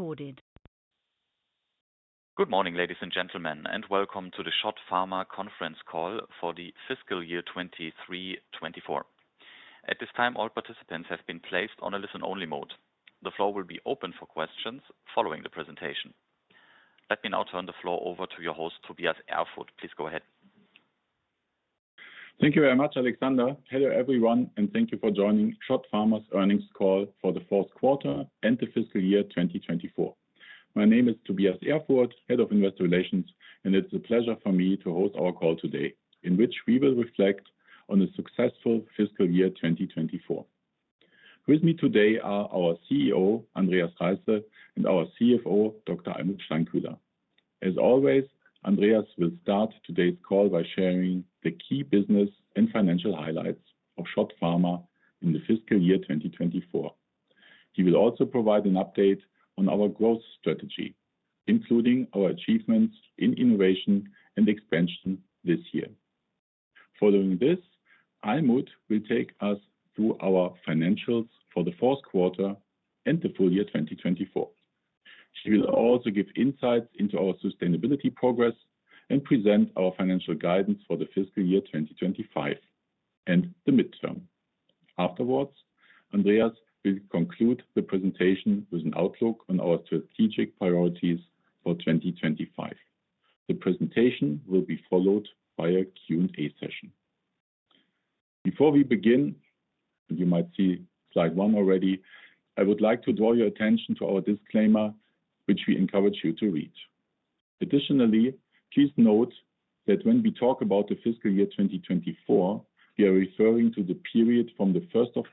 Recorded. Good morning, ladies and gentlemen, and welcome to the SCHOTT Pharma Conference Call for the fiscal year 23/24. At this time, all participants have been placed on a listen-only mode. The floor will be open for questions following the presentation. Let me now turn the floor over to your host, Tobias Erfurth. Please go ahead. Thank you very much, Alexander. Hello, everyone, and thank you for joining SCHOTT Pharma's earnings call for the fourth quarter and the fiscal year 2024. My name is Tobias Erfurth, Head of Investor Relations, and it's a pleasure for me to host our call today, in which we will reflect on the successful fiscal year 2024. With me today are our CEO, Andreas Reisse, and our CFO, Dr. Almuth Steinkühler. As always, Andreas will start today's call by sharing the key business and financial highlights of SCHOTT Pharma in the fiscal year 2024. He will also provide an update on our growth strategy, including our achievements in innovation and expansion this year. Following this, Almuth will take us through our financials for the fourth quarter and the full year 2024. She will also give insights into our sustainability progress and present our financial guidance for the fiscal year 2025 and the midterm. Afterwards, Andreas will conclude the presentation with an outlook on our strategic priorities for 2025. The presentation will be followed by a Q&A session. Before we begin, you might see slide one already. I would like to draw your attention to our disclaimer, which we encourage you to read. Additionally, please note that when we talk about the fiscal year 2024, we are referring to the period from the 1st of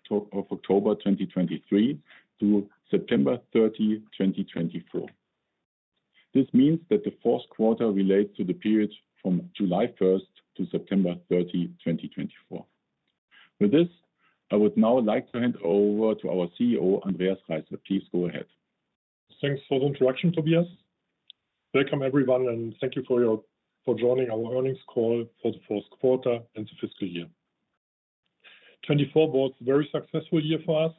October 2023 to September 30, 2024. This means that the fourth quarter relates to the period from July 1st to September 30, 2024. With this, I would now like to hand over to our CEO, Andreas Reisse. Please go ahead. Thanks for the introduction, Tobias. Welcome, everyone, and thank you for joining our earnings call for the fourth quarter and the fiscal year 2024 was a very successful year for us.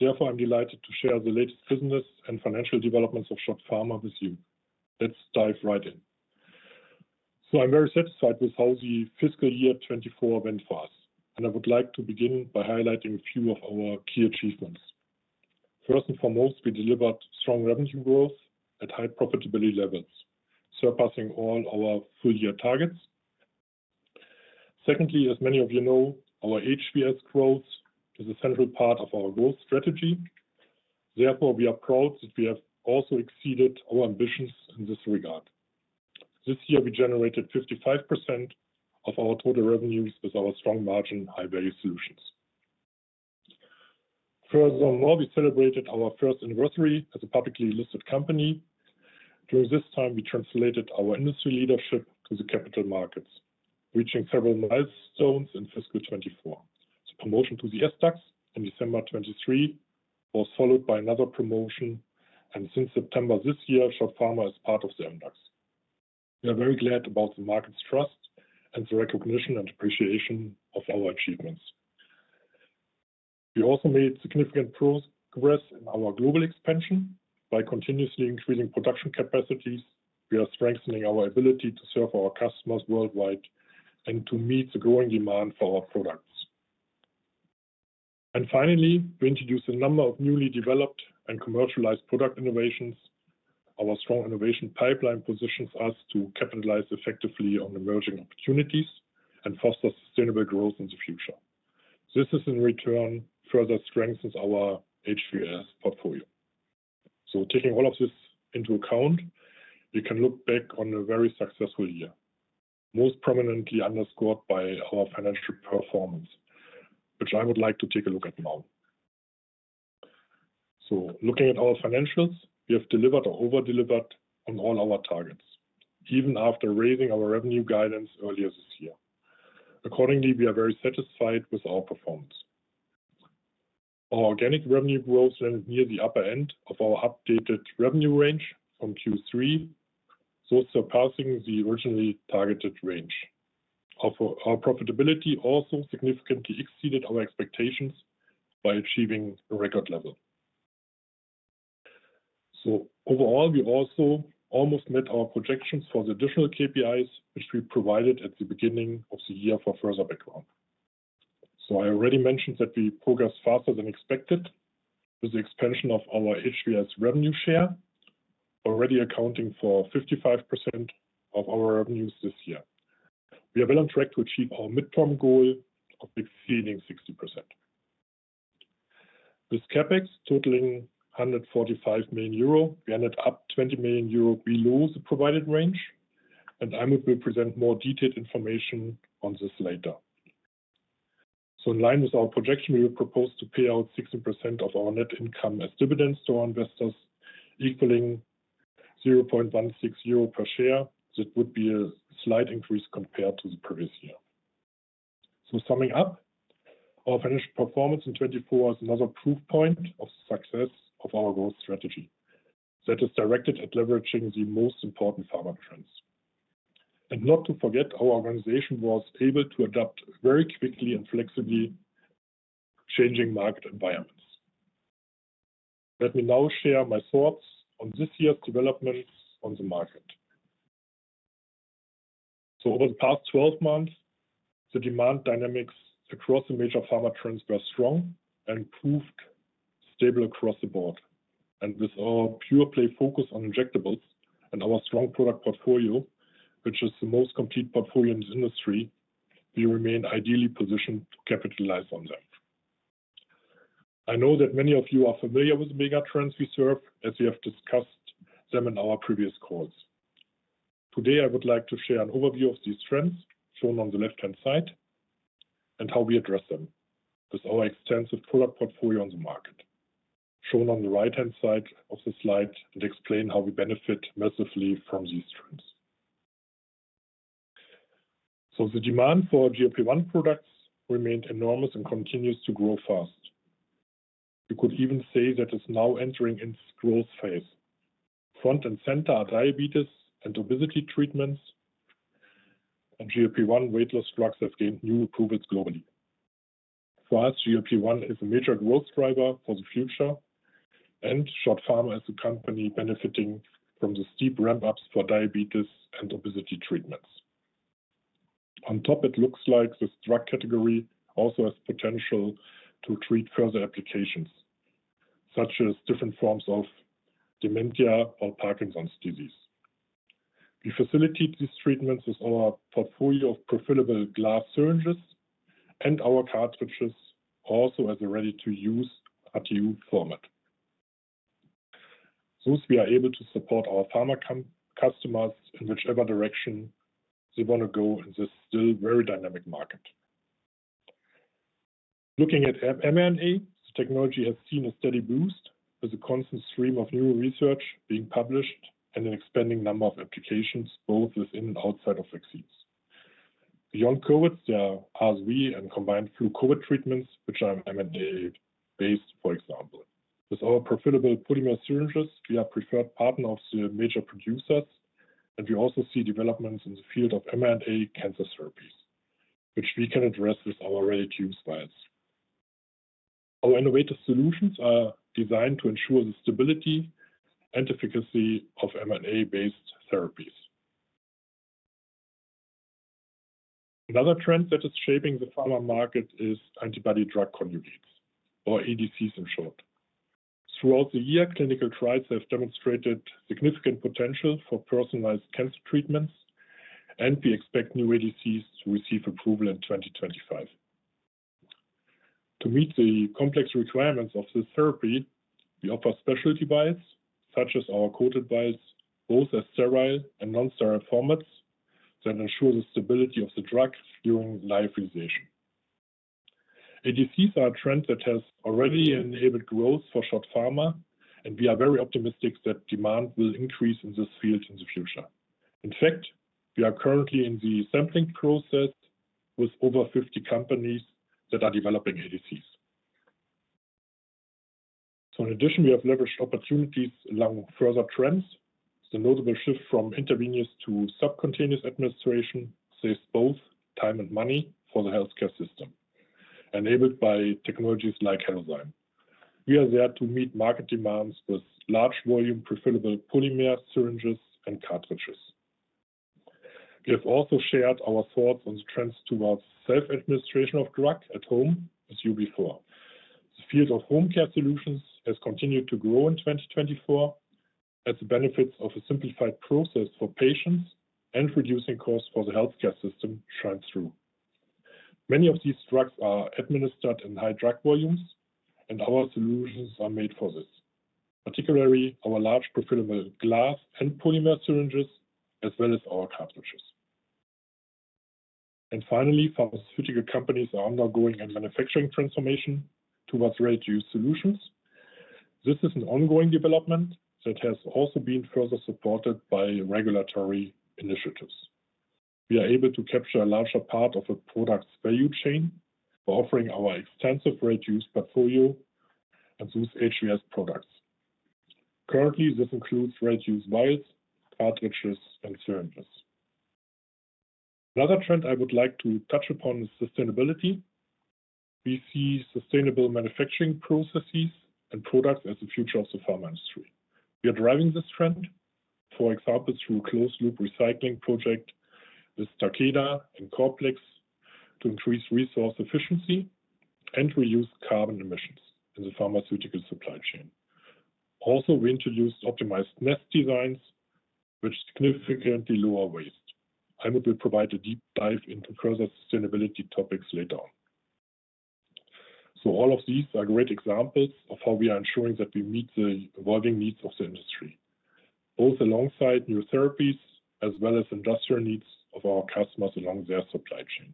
Therefore, I'm delighted to share the latest business and financial developments of SCHOTT Pharma with you. Let's dive right in. So I'm very satisfied with how the fiscal year 2024 went for us, and I would like to begin by highlighting a few of our key achievements. First and foremost, we delivered strong revenue growth at high profitability levels, surpassing all our full-year targets. Secondly, as many of you know, our HVS growth is a central part of our growth strategy. Therefore, we are proud that we have also exceeded our ambitions in this regard. This year, we generated 55% of our total revenues with our strong margin high-value solutions. Furthermore, we celebrated our first anniversary as a publicly listed company. During this time, we translated our industry leadership to the capital markets, reaching several milestones in fiscal 24. The promotion to the SDAX in December 2023 was followed by another promotion, and since September this year, SCHOTT Pharma is part of the MDAX. We are very glad about the market's trust and the recognition and appreciation of our achievements. We also made significant progress in our global expansion by continuously increasing production capacities. We are strengthening our ability to serve our customers worldwide and to meet the growing demand for our products, and finally, we introduced a number of newly developed and commercialized product innovations. Our strong innovation pipeline positions us to capitalize effectively on emerging opportunities and foster sustainable growth in the future. This is, in return, further strengthens our HVS portfolio. Taking all of this into account, we can look back on a very successful year, most prominently underscored by our financial performance, which I would like to take a look at now. Looking at our financials, we have delivered or over-delivered on all our targets, even after raising our revenue guidance earlier this year. Accordingly, we are very satisfied with our performance. Our organic revenue growth landed near the upper end of our updated revenue range from Q3, thus surpassing the originally targeted range. Our profitability also significantly exceeded our expectations by achieving a record level. Overall, we also almost met our projections for the additional KPIs, which we provided at the beginning of the year for further background. I already mentioned that we progressed faster than expected with the expansion of our HVS revenue share, already accounting for 55% of our revenues this year. We are well on track to achieve our midterm goal of exceeding 60%. With CapEx totaling €145 million, we ended up €20 million below the provided range, and I will present more detailed information on this later, so in line with our projection, we will propose to pay out 16% of our net income as dividends to our investors, equaling €0.16 per share. That would be a slight increase compared to the previous year, so summing up, our financial performance in 2024 is another proof point of the success of our growth strategy that is directed at leveraging the most important pharma trends, and not to forget, our organization was able to adapt very quickly and flexibly to changing market environments. Let me now share my thoughts on this year's developments on the market. Over the past 12 months, the demand dynamics across the major pharma trends were strong and proved stable across the board. And with our pure-play focus on injectables and our strong product portfolio, which is the most complete portfolio in the industry, we remain ideally positioned to capitalize on them. I know that many of you are familiar with the mega trends we serve, as we have discussed them in our previous calls. Today, I would like to share an overview of these trends shown on the left-hand side and how we address them with our extensive product portfolio on the market shown on the right-hand side of the slide and explain how we benefit massively from these trends. The demand for GLP-1 products remained enormous and continues to grow fast. You could even say that it's now entering its growth phase. Front and center are diabetes and obesity treatments, and GLP-1 weight loss drugs have gained new approvals globally. For us, GLP-1 is a major growth driver for the future, and SCHOTT Pharma is a company benefiting from the steep ramp-ups for diabetes and obesity treatments. On top, it looks like this drug category also has potential to treat further applications, such as different forms of dementia or Parkinson's disease. We facilitate these treatments with our portfolio of prefillable glass syringes and our cartridges, also as a ready-to-use RTU format. Thus, we are able to support our pharma customers in whichever direction they want to go in this still very dynamic market. Looking at mRNA, the technology has seen a steady boost with a constant stream of new research being published and an expanding number of applications both within and outside of vaccines. Beyond COVID, there are RSV and combined flu-COVID treatments, which are mRNA-based, for example. With our prefillable polymer syringes, we are a preferred partner of the major producers, and we also see developments in the field of mRNA cancer therapies, which we can address with our ready-to-use vials. Our innovative solutions are designed to ensure the stability and efficacy of mRNA-based therapies. Another trend that is shaping the pharma market is antibody drug conjugates, or ADCs in short. Throughout the year, clinical trials have demonstrated significant potential for personalized cancer treatments, and we expect new ADCs to receive approval in 2025. To meet the complex requirements of this therapy, we offer specialty vials, such as our coated vials, both as sterile and non-sterile formats that ensure the stability of the drug during lyophilization. ADCs are a trend that has already enabled growth for SCHOTT Pharma, and we are very optimistic that demand will increase in this field in the future. In fact, we are currently in the sampling process with over 50 companies that are developing ADCs. So in addition, we have leveraged opportunities along further trends. The notable shift from intravenous to subcutaneous administration saves both time and money for the healthcare system, enabled by technologies like Halozyme. We are there to meet market demands with large-volume prefillable polymer syringes and cartridges. We have also shared our thoughts on the trends towards self-administration of drugs at home with you before. The field of home care solutions has continued to grow in 2024 as the benefits of a simplified process for patients and reducing costs for the healthcare system shine through. Many of these drugs are administered in high drug volumes, and our solutions are made for this, particularly our large prefillable glass and polymer syringes, as well as our cartridges. And finally, pharmaceutical companies are undergoing a manufacturing transformation towards ready-to-use solutions. This is an ongoing development that has also been further supported by regulatory initiatives. We are able to capture a larger part of a product's value chain by offering our extensive ready-to-use portfolio and those HVS products. Currently, this includes ready-to-use vials, cartridges, and syringes. Another trend I would like to touch upon is sustainability. We see sustainable manufacturing processes and products as the future of the pharma industry. We are driving this trend, for example, through a closed-loop recycling project with Takeda and Corplex to increase resource efficiency and reduce carbon emissions in the pharmaceutical supply chain. Also, we introduced optimized nest designs, which significantly lower waste. I will provide a deep dive into further sustainability topics later on. So all of these are great examples of how we are ensuring that we meet the evolving needs of the industry, both alongside new therapies as well as industrial needs of our customers along their supply chain.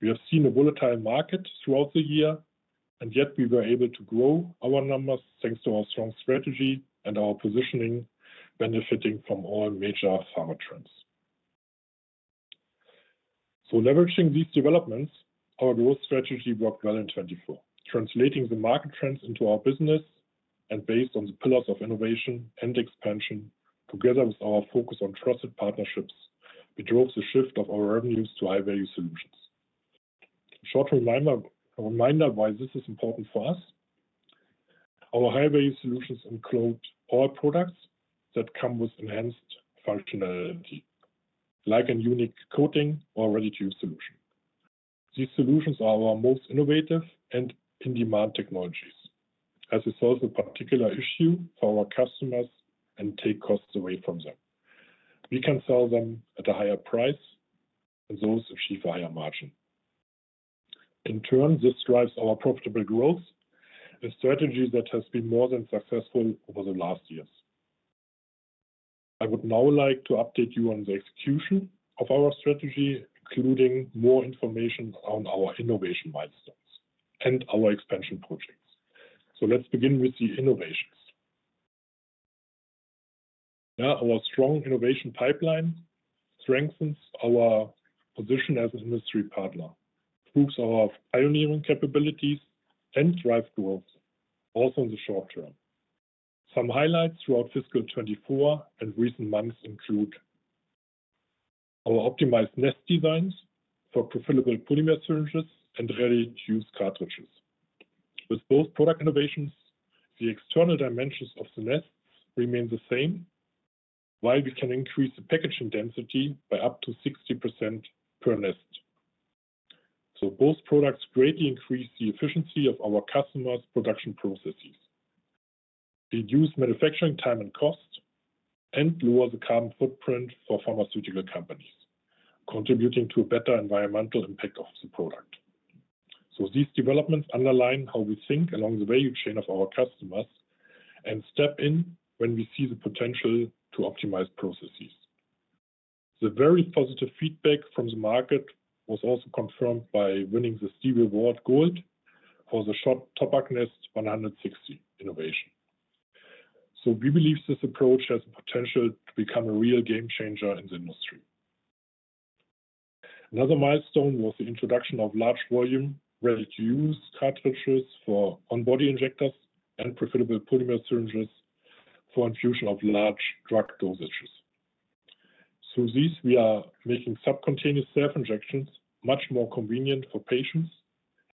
We have seen a volatile market throughout the year, and yet we were able to grow our numbers thanks to our strong strategy and our positioning benefiting from all major pharma trends. So leveraging these developments, our growth strategy worked well in 2024, translating the market trends into our business and based on the pillars of innovation and expansion, together with our focus on trusted partnerships, we drove the shift of our revenues to high-value solutions. A short reminder why this is important for us: our high-value solutions include all products that come with enhanced functionality, like a unique coating or ready-to-use solution. These solutions are our most innovative and in-demand technologies, as we solve a particular issue for our customers and take costs away from them. We can sell them at a higher price, and those achieve a higher margin. In turn, this drives our profitable growth and strategy that has been more than successful over the last years. I would now like to update you on the execution of our strategy, including more information on our innovation milestones and our expansion projects. Let's begin with the innovations. Yeah, our strong innovation pipeline strengthens our position as an industry partner, proves our pioneering capabilities, and drives growth also in the short term. Some highlights throughout fiscal 2024 and recent months include our optimized nest designs for prefillable polymer syringes and ready-to-use cartridges. With both product innovations, the external dimensions of the nests remain the same, while we can increase the packaging density by up to 60% per nest. So both products greatly increase the efficiency of our customers' production processes, reduce manufacturing time and cost, and lower the carbon footprint for pharmaceutical companies, contributing to a better environmental impact of the product. So these developments underline how we think along the value chain of our customers and step in when we see the potential to optimize processes. The very positive feedback from the market was also confirmed by winning the Stevie Award Gold for the SCHOTT TOPPAC Nest 160 innovation. So we believe this approach has the potential to become a real game changer in the industry. Another milestone was the introduction of large-volume ready-to-use cartridges for on-body injectors and prefillable polymer syringes for infusion of large drug dosages. Through these, we are making subcutaneous self-injections much more convenient for patients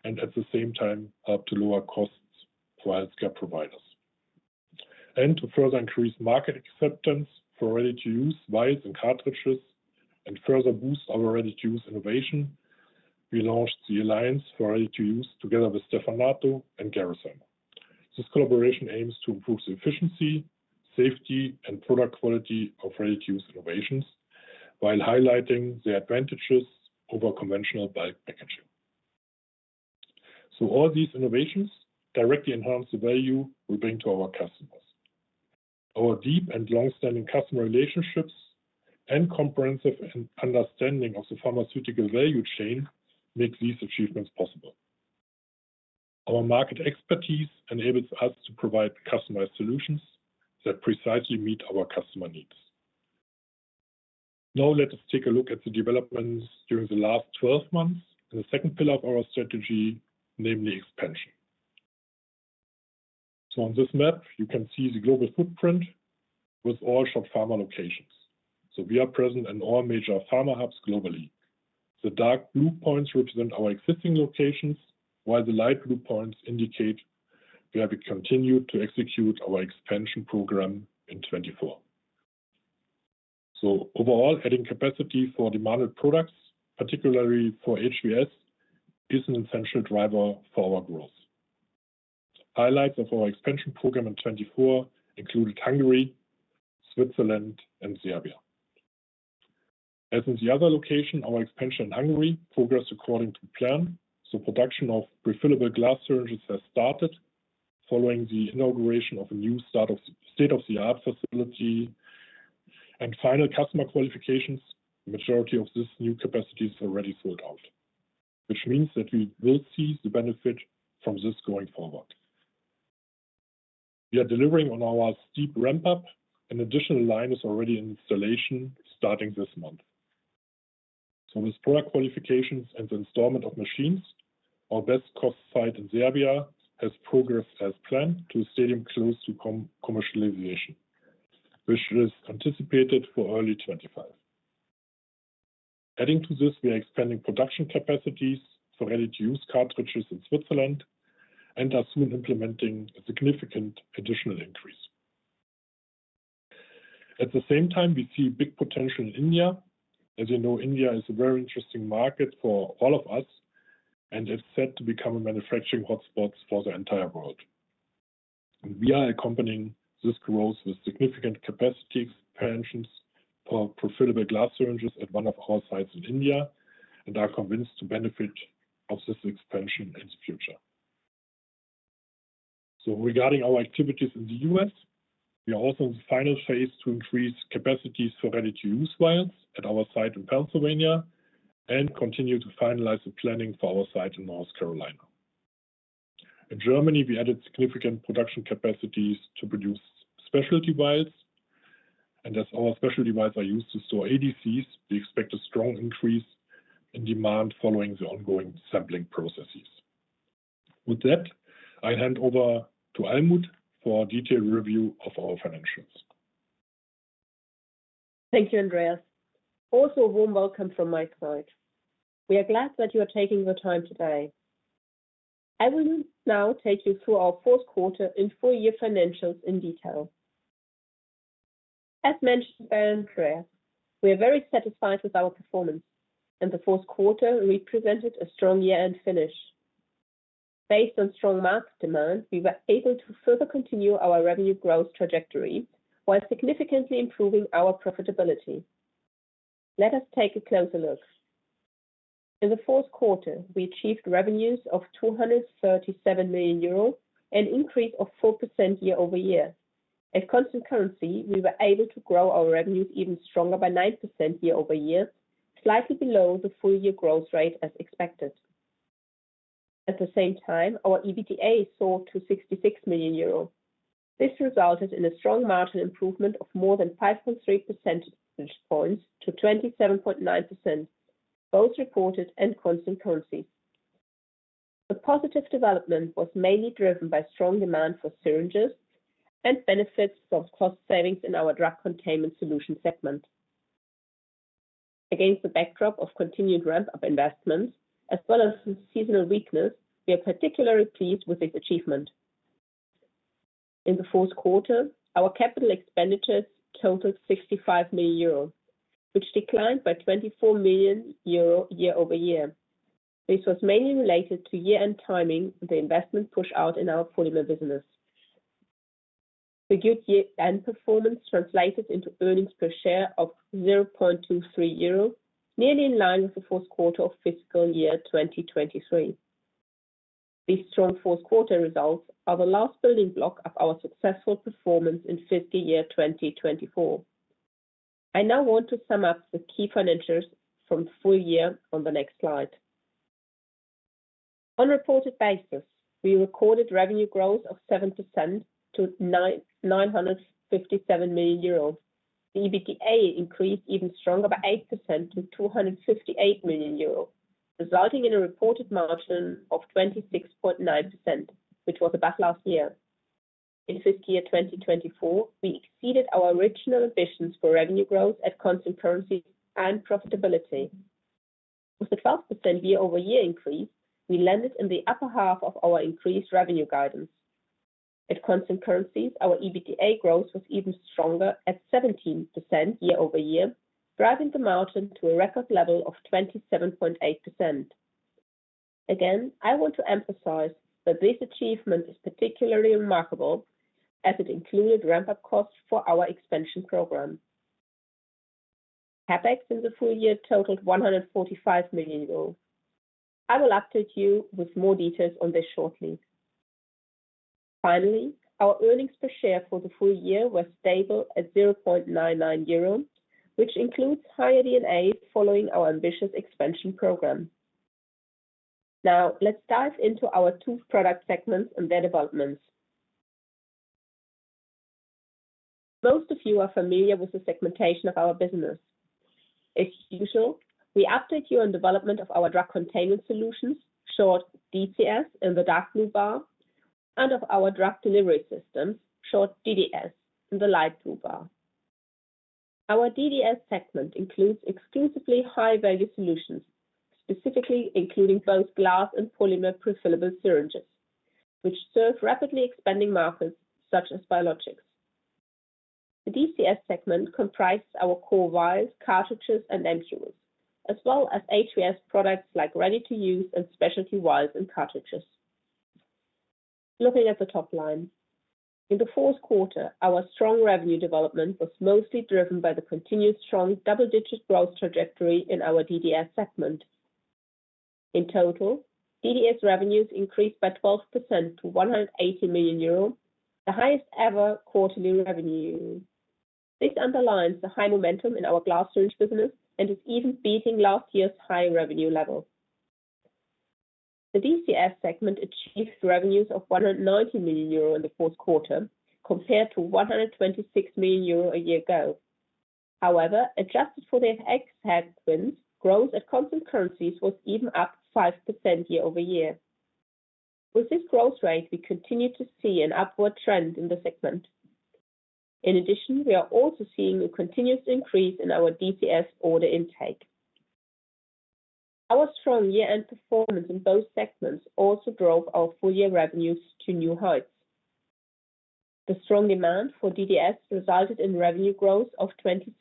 and at the same time help to lower costs for healthcare providers. and to further increase market acceptance for ready-to-use vials and cartridges and further boost our ready-to-use innovation, we launched the Alliance for Ready-to-Use together with Stevanato and Gerresheimer. This collaboration aims to improve the efficiency, safety, and product quality of ready-to-use innovations while highlighting the advantages over conventional bulk packaging. so all these innovations directly enhance the value we bring to our customers. Our deep and long-standing customer relationships and comprehensive understanding of the pharmaceutical value chain make these achievements possible. Our market expertise enables us to provide customized solutions that precisely meet our customer needs. Now let us take a look at the developments during the last 12 months in the second pillar of our strategy, namely expansion, so on this map, you can see the global footprint with all SCHOTT Pharma locations, so we are present in all major pharma hubs globally. The dark blue points represent our existing locations, while the light blue points indicate we have continued to execute our expansion program in 2024, so overall, adding capacity for demanded products, particularly for HVS, is an essential driver for our growth. Highlights of our expansion program in 2024 included Hungary, Switzerland, and Serbia. As in the other location, our expansion in Hungary progressed according to plan, so production of prefillable glass syringes has started following the inauguration of a new state-of-the-art facility. Final customer qualifications, the majority of this new capacity is already sold out, which means that we will see the benefit from this going forward. We are delivering on our steep ramp-up, and additional line is already in installation starting this month. With product qualifications and the installation of machines, our best cost site in Serbia has progressed as planned to a stage close to commercialization, which is anticipated for early 2025. Adding to this, we are expanding production capacities for ready-to-use cartridges in Switzerland and are soon implementing a significant additional increase. At the same time, we see big potential in India. As you know, India is a very interesting market for all of us, and it's set to become a manufacturing hotspot for the entire world. We are accompanying this growth with significant capacity expansions for prefillable glass syringes at one of our sites in India and are convinced to benefit from this expansion in the future. Regarding our activities in the U.S., we are also in the final phase to increase capacities for ready-to-use vials at our site in Pennsylvania and continue to finalize the planning for our site in North Carolina. In Germany, we added significant production capacities to produce specialty vials. As our specialty vials are used to store ADCs, we expect a strong increase in demand following the ongoing sampling processes. With that, I hand over to Almuth for a detailed review of our financials. Thank you, Andreas. Also a warm welcome from my side. We are glad that you are taking your time today. I will now take you through our fourth quarter and fiscal year financials in detail. As mentioned by Andreas, we are very satisfied with our performance, and the fourth quarter represented a strong year-end finish. Based on strong market demand, we were able to further continue our revenue growth trajectory while significantly improving our profitability. Let us take a closer look. In the fourth quarter, we achieved revenues of 237 million euros and an increase of 4% year-over-year. At constant currency, we were able to grow our revenues even stronger by 9% year-over-year, slightly below the full-year growth rate as expected. At the same time, our EBITDA soared to 66 million euros. This resulted in a strong margin improvement of more than 5.3 percentage points to 27.9%, both reported and constant currency. The positive development was mainly driven by strong demand for syringes and benefits from cost savings in our drug containment solution segment. Against the backdrop of continued ramp-up investments, as well as the seasonal weakness, we are particularly pleased with this achievement. In the fourth quarter, our capital expenditures totaled 65 million euros, which declined by 24 million euro year-over-year. This was mainly related to year-end timing and the investment push out in our polymer business. The good year-end performance translated into earnings per share of 0.23 euro, nearly in line with the fourth quarter of fiscal year 2023. These strong fourth quarter results are the last building block of our successful performance in fiscal year 2024. I now want to sum up the key financials from the full year on the next slide. On a reported basis, we recorded revenue growth of 7% to 957 million euro. The EBITDA increased even stronger by 8% to 258 million euro, resulting in a reported margin of 26.9%, which was above last year. In fiscal year 2024, we exceeded our original ambitions for revenue growth at constant currency and profitability. With a 12% year-over-year increase, we landed in the upper half of our increased revenue guidance. At constant currencies, our EBITDA growth was even stronger at 17% year-over-year, driving the margin to a record level of 27.8%. Again, I want to emphasize that this achievement is particularly remarkable as it included ramp-up costs for our expansion program. CapEx in the full year totaled 145 million euros. I will update you with more details on this shortly. Finally, our earnings per share for the full year were stable at 0.99 euro, which includes higher D&A following our ambitious expansion program. Now, let's dive into our two product segments and their developments. Most of you are familiar with the segmentation of our business. As usual, we update you on the development of our drug containment solutions, short DCS in the dark blue bar, and of our drug delivery systems, short DDS in the light blue bar. Our DDS segment includes exclusively high-value solutions, specifically including both glass and polymer prefillable syringes, which serve rapidly expanding markets such as biologics. The DCS segment comprises our core vials, cartridges, and ampoules, as well as HVS products like ready-to-use and specialty vials and cartridges. Looking at the top line, in the fourth quarter, our strong revenue development was mostly driven by the continued strong double-digit growth trajectory in our DDS segment. In total, DDS revenues increased by 12% to €180 million, the highest ever quarterly revenue. This underlines the high momentum in our glass syringe business and is even beating last year's high revenue level. The DCS segment achieved revenues of 190 million euro in the fourth quarter compared to 126 million euro a year ago. However, adjusted for the FX wins, growth at constant currencies was even up 5% year-over-year. With this growth rate, we continue to see an upward trend in the segment. In addition, we are also seeing a continuous increase in our DCS order intake. Our strong year-end performance in both segments also drove our full-year revenues to new heights. The strong demand for DDS resulted in revenue growth of 27%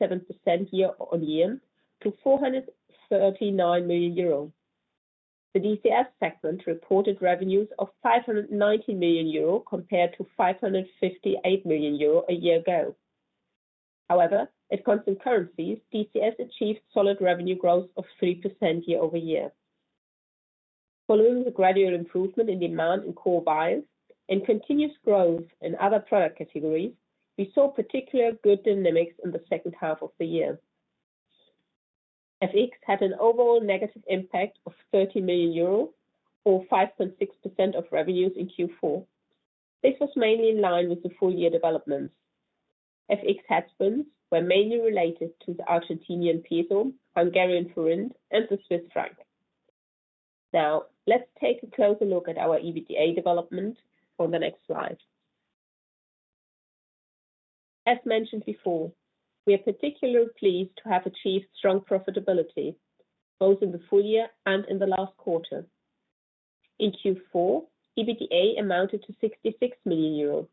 year-on-year to 439 million euro. The DCS segment reported revenues of 590 million euro compared to 558 million euro a year ago. However, at constant currencies, DCS achieved solid revenue growth of 3% year-over-year. Following the gradual improvement in demand in core vials and continuous growth in other product categories, we saw particular good dynamics in the second half of the year. FX had an overall negative impact of 30 million euros or 5.6% of revenues in Q4. This was mainly in line with the full-year developments. FX headwinds were mainly related to the Argentinian peso, Hungarian forint, and the Swiss franc. Now, let's take a closer look at our EBITDA development on the next slide. As mentioned before, we are particularly pleased to have achieved strong profitability both in the full year and in the last quarter. In Q4, EBITDA amounted to 66 million euros.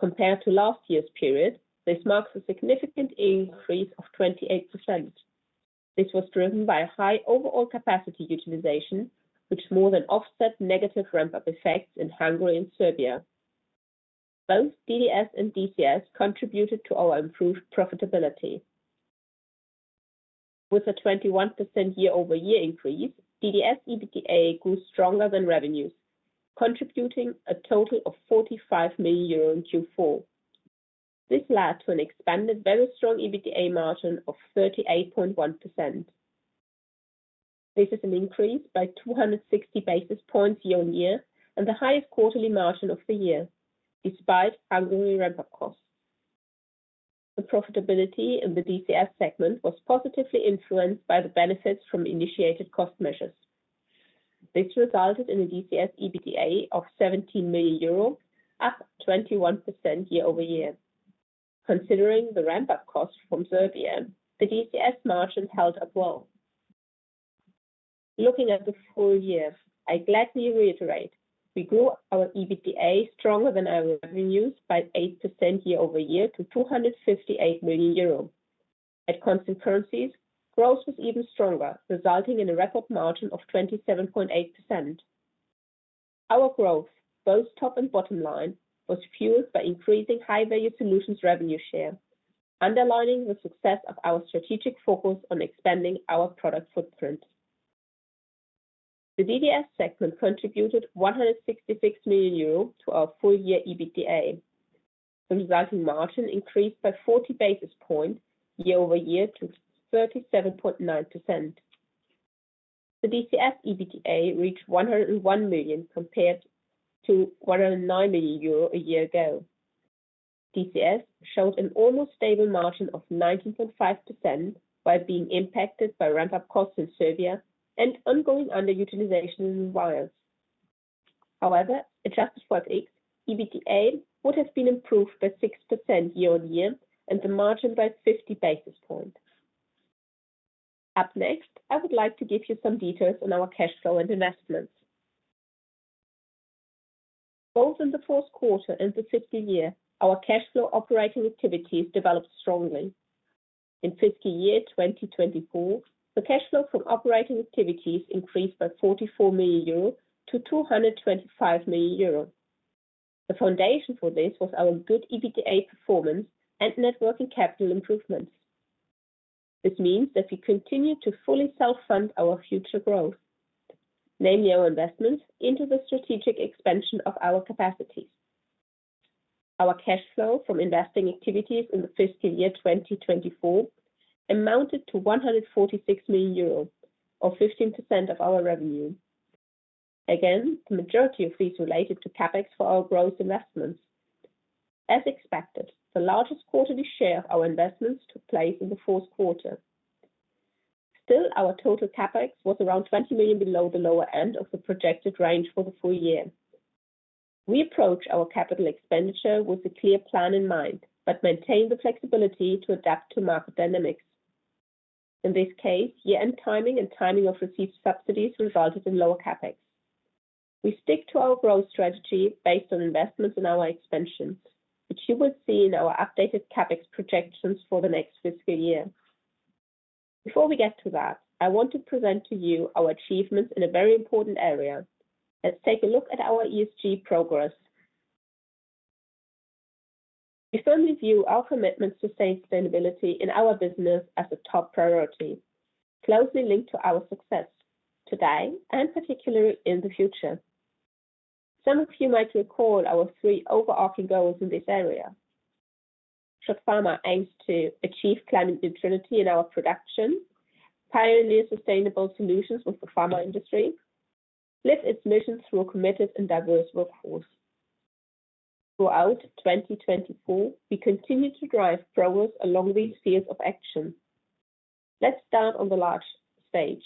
Compared to last year's period, this marks a significant increase of 28%. This was driven by a high overall capacity utilization, which more than offset negative ramp-up effects in Hungary and Serbia. Both DDS and DCS contributed to our improved profitability. With a 21% year-over-year increase, DDS EBITDA grew stronger than revenues, contributing a total of 45 million euro in Q4. This led to an expanded, very strong EBITDA margin of 38.1%. This is an increase by 260 basis points year-on-year and the highest quarterly margin of the year, despite Hungary's ramp-up costs. The profitability in the DCS segment was positively influenced by the benefits from initiated cost measures. This resulted in a DCS EBITDA of €17 million, up 21% year-over-year. Considering the ramp-up costs from Serbia, the DCS margin held up well. Looking at the full year, I gladly reiterate we grew our EBITDA stronger than our revenues by 8% year-over-year to €258 million. At constant currencies, growth was even stronger, resulting in a record margin of 27.8%. Our growth, both top and bottom line, was fueled by increasing high-value solutions revenue share, underlining the success of our strategic focus on expanding our product footprint. The DDS segment contributed €166 million to our full-year EBITDA. The resulting margin increased by 40 basis points year-over-year to 37.9%. The DCS EBITDA reached €101 million compared to €109 million a year ago. DCS showed an almost stable margin of 19.5% while being impacted by ramp-up costs in Serbia and ongoing underutilization in vials. However, adjusted for FX, EBITDA would have been improved by 6% year-on-year and the margin by 50 basis points. Up next, I would like to give you some details on our cash flow and investments. Both in the fourth quarter and the fiscal year, our cash flow operating activities developed strongly. In fiscal year 2024, the cash flow from operating activities increased by €44 million to €225 million. The foundation for this was our good EBITDA performance and net working capital improvements. This means that we continue to fully self-fund our future growth, namely our investments into the strategic expansion of our capacities. Our cash flow from investing activities in the fiscal year 2024 amounted to €146 million, or 15% of our revenue. Again, the majority of these related to CapEx for our growth investments. As expected, the largest quarterly share of our investments took place in the fourth quarter. Still, our total CapEx was around €20 million below the lower end of the projected range for the full year. We approach our capital expenditure with a clear plan in mind but maintain the flexibility to adapt to market dynamics. In this case, year-end timing and timing of received subsidies resulted in lower CapEx. We stick to our growth strategy based on investments in our expansions, which you will see in our updated CapEx projections for the next fiscal year. Before we get to that, I want to present to you our achievements in a very important area. Let's take a look at our ESG progress. We firmly view our commitment to sustainability in our business as a top priority, closely linked to our success today and particularly in the future. Some of you might recall our three overarching goals in this area. SCHOTT Pharma aims to achieve climate neutrality in our production, pioneer sustainable solutions with the pharma industry, and live its mission through a committed and diverse workforce. Throughout 2024, we continue to drive progress along these fields of action. Let's start on the global stage.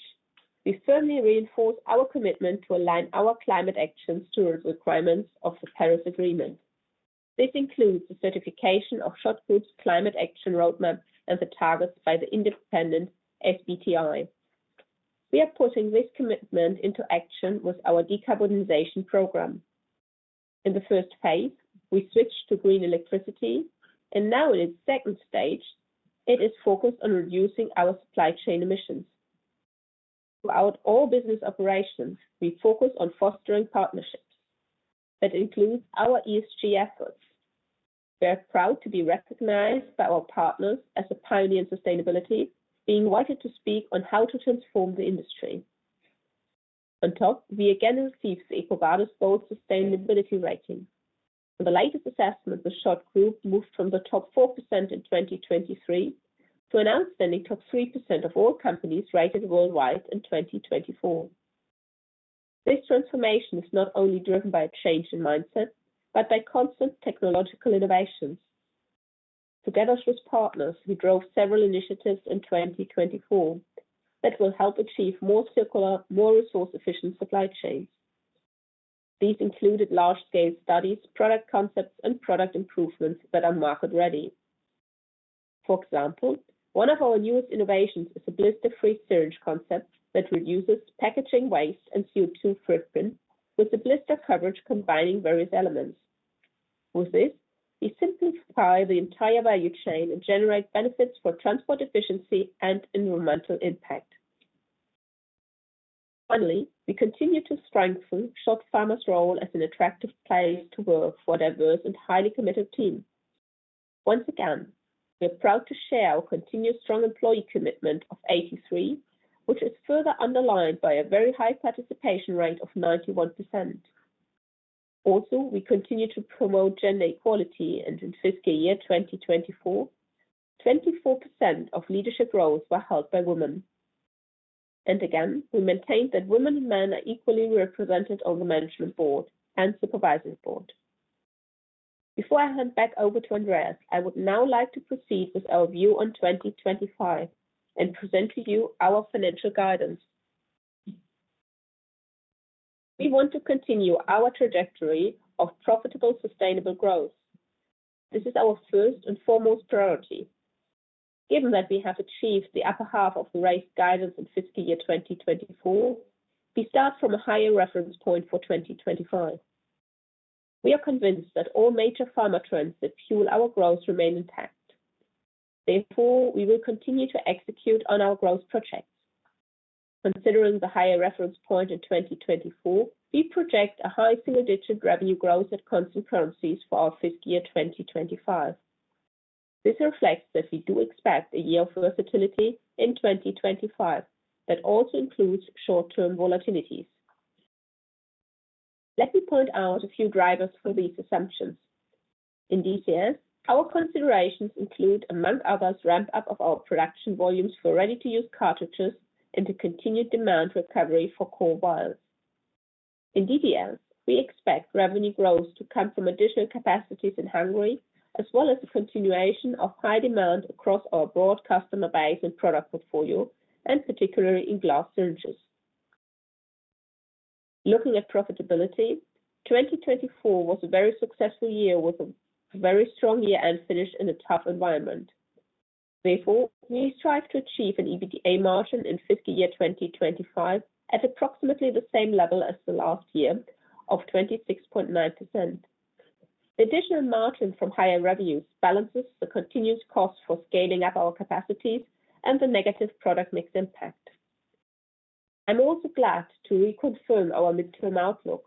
We firmly reinforce our commitment to align our climate actions to the requirements of the Paris Agreement. This includes the certification of SCHOTT Group's Climate Action Roadmap and the targets by the independent SBTi. We are putting this commitment into action with our decarbonization program. In the first phase, we switched to green electricity, and now in its second stage, it is focused on reducing our supply chain emissions. Throughout all business operations, we focus on fostering partnerships. That includes our ESG efforts. We are proud to be recognized by our partners as a pioneer in sustainability, being invited to speak on how to transform the industry. On top, we again received the EcoVadis Gold Sustainability Rating. In the latest assessment, the SCHOTT Group moved from the top 4% in 2023 to an outstanding top 3% of all companies rated worldwide in 2024. This transformation is not only driven by a change in mindset but by constant technological innovations. Together with partners, we drove several initiatives in 2024 that will help achieve more circular, more resource-efficient supply chains. These included large-scale studies, product concepts, and product improvements that are market-ready. For example, one of our newest innovations is a blister-free syringe concept that reduces packaging waste and CO2 footprint with a blister coverage combining various elements. With this, we simplify the entire value chain and generate benefits for transport efficiency and environmental impact. Finally, we continue to strengthen SCHOTT Pharma's role as an attractive place to work for a diverse and highly committed team. Once again, we are proud to share our continued strong employee commitment of 83%, which is further underlined by a very high participation rate of 91%. Also, we continue to promote gender equality, and in fiscal year 2024, 24% of leadership roles were held by women. And again, we maintain that women and men are equally represented on the management board and supervisory board. Before I hand back over to Andreas, I would now like to proceed with our view on 2025 and present to you our financial guidance. We want to continue our trajectory of profitable sustainable growth. This is our first and foremost priority. Given that we have achieved the upper half of the range guidance in fiscal year 2024, we start from a higher reference point for 2025. We are convinced that all major pharma trends that fuel our growth remain intact. Therefore, we will continue to execute on our growth projects. Considering the higher reference point in 2024, we project a high single-digit revenue growth at constant currencies for our fiscal year 2025. This reflects that we do expect a year of volatility in 2025 that also includes short-term volatilities. Let me point out a few drivers for these assumptions. In DCS, our considerations include, among others, ramp-up of our production volumes for ready-to-use cartridges and a continued demand recovery for core vials. In DDS, we expect revenue growth to come from additional capacities in Hungary, as well as the continuation of high demand across our broad customer base and product portfolio, and particularly in glass syringes. Looking at profitability, 2024 was a very successful year with a very strong year-end finish in a tough environment. Therefore, we strive to achieve an EBITDA margin in fiscal year 2025 at approximately the same level as the last year of 26.9%. The additional margin from higher revenues balances the continuous costs for scaling up our capacities and the negative product mix impact. I'm also glad to reconfirm our midterm outlook,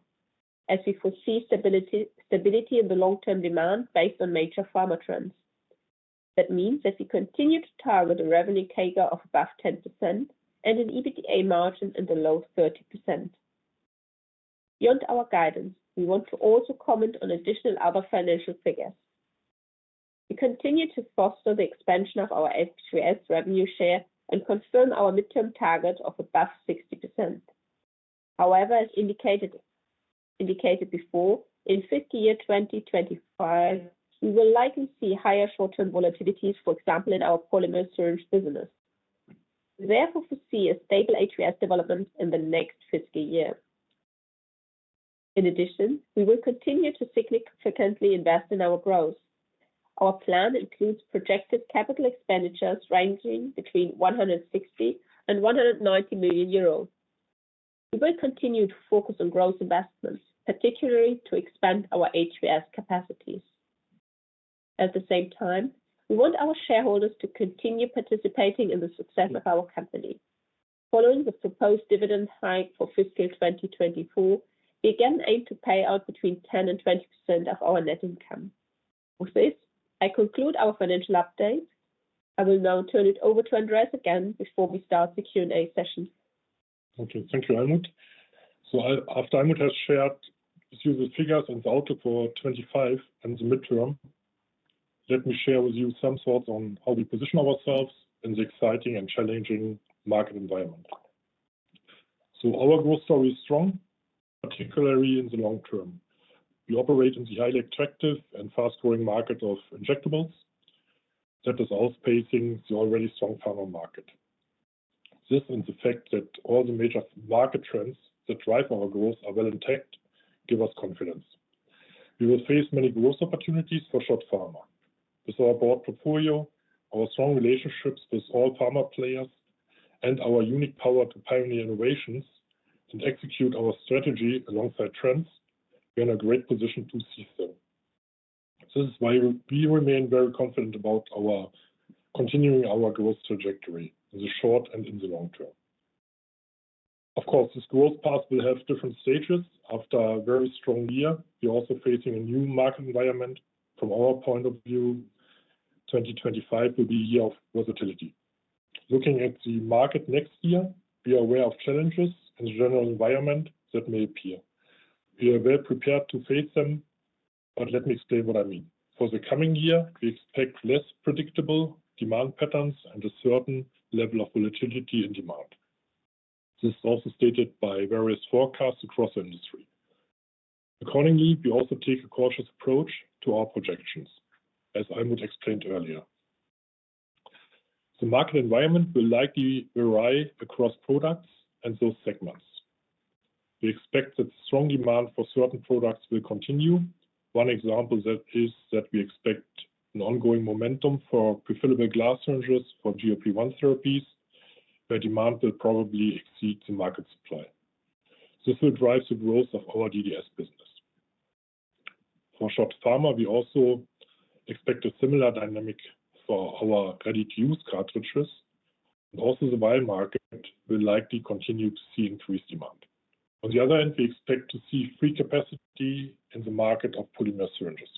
as we foresee stability in the long-term demand based on major pharma trends. That means that we continue to target a revenue CAGR of above 10% and an EBITDA margin in the low 30%. Beyond our guidance, we want to also comment on additional other financial figures. We continue to foster the expansion of our HVS revenue share and confirm our midterm target of above 60%. However, as indicated before, in fiscal year 2025, we will likely see higher short-term volatilities, for example, in our polymer syringe business. We therefore foresee a stable HVS development in the next fiscal year. In addition, we will continue to significantly invest in our growth. Our plan includes projected capital expenditures ranging between € 160 and € 190 million. We will continue to focus on growth investments, particularly to expand our HVS capacities. At the same time, we want our shareholders to continue participating in the success of our company. Following the proposed dividend hike for fiscal 2024, we again aim to pay out between 10% and 20% of our net income. With this, I conclude our financial update.I will now turn it over to Andreas again before we start the Q&A session. Okay, thank you, Almuth. So, after Almuth has shared her usual figures and the outlook for 2025 and the midterm, let me share with you some thoughts on how we position ourselves in the exciting and challenging market environment. So, our growth story is strong, particularly in the long term. We operate in the highly attractive and fast-growing market of injectables that is outpacing the already strong pharma market. This is the fact that all the major market trends that drive our growth are well intact give us confidence. We will face many growth opportunities for SCHOTT Pharma. With our broad portfolio, our strong relationships with all pharma players, and our unique power to pioneer innovations and execute our strategy alongside trends, we are in a great position to see so. This is why we remain very confident about continuing our growth trajectory in the short and in the long term. Of course, this growth path will have different stages after a very strong year. We are also facing a new market environment. From our point of view, 2025 will be a year of versatility. Looking at the market next year, we are aware of challenges in the general environment that may appear. We are well prepared to face them, but let me explain what I mean. For the coming year, we expect less predictable demand patterns and a certain level of volatility in demand. This is also stated by various forecasts across the industry. Accordingly, we also take a cautious approach to our projections, as Almuth explained earlier. The market environment will likely vary across products and those segments. We expect that the strong demand for certain products will continue. One example is that we expect an ongoing momentum for prefillable glass syringes for GLP-1 therapies, where demand will probably exceed the market supply. This will drive the growth of our DDS business. For SCHOTT Pharma, we also expect a similar dynamic for our ready-to-use cartridges, and also the vial market will likely continue to see increased demand. On the other hand, we expect to see free capacity in the market of polymer syringes.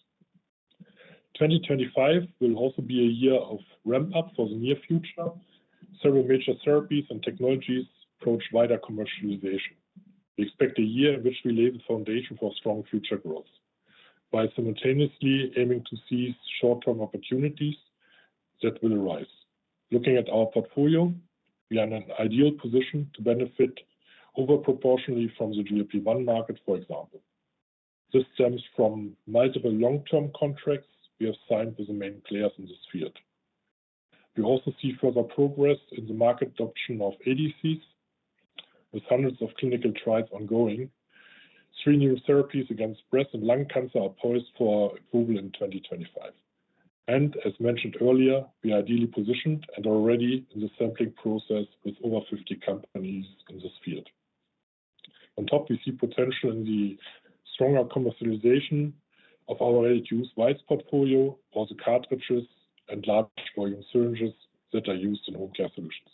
2025 will also be a year of ramp-up for the near future. Several major therapies and technologies approach wider commercialization. We expect a year in which we lay the foundation for strong future growth by simultaneously aiming to seize short-term opportunities that will arise. Looking at our portfolio, we are in an ideal position to benefit overproportionately from the GLP-1 market, for example. This stems from multiple long-term contracts we have signed with the main players in this field. We also see further progress in the market adoption of ADCs, with hundreds of clinical trials ongoing. Three new therapies against breast and lung cancer are poised for approval in 2025, and as mentioned earlier, we are ideally positioned and already in the sampling process with over 50 companies in this field. On top, we see potential in the stronger commercialization of our ready-to-use vials portfolio, also cartridges and large volume syringes that are used in home care solutions.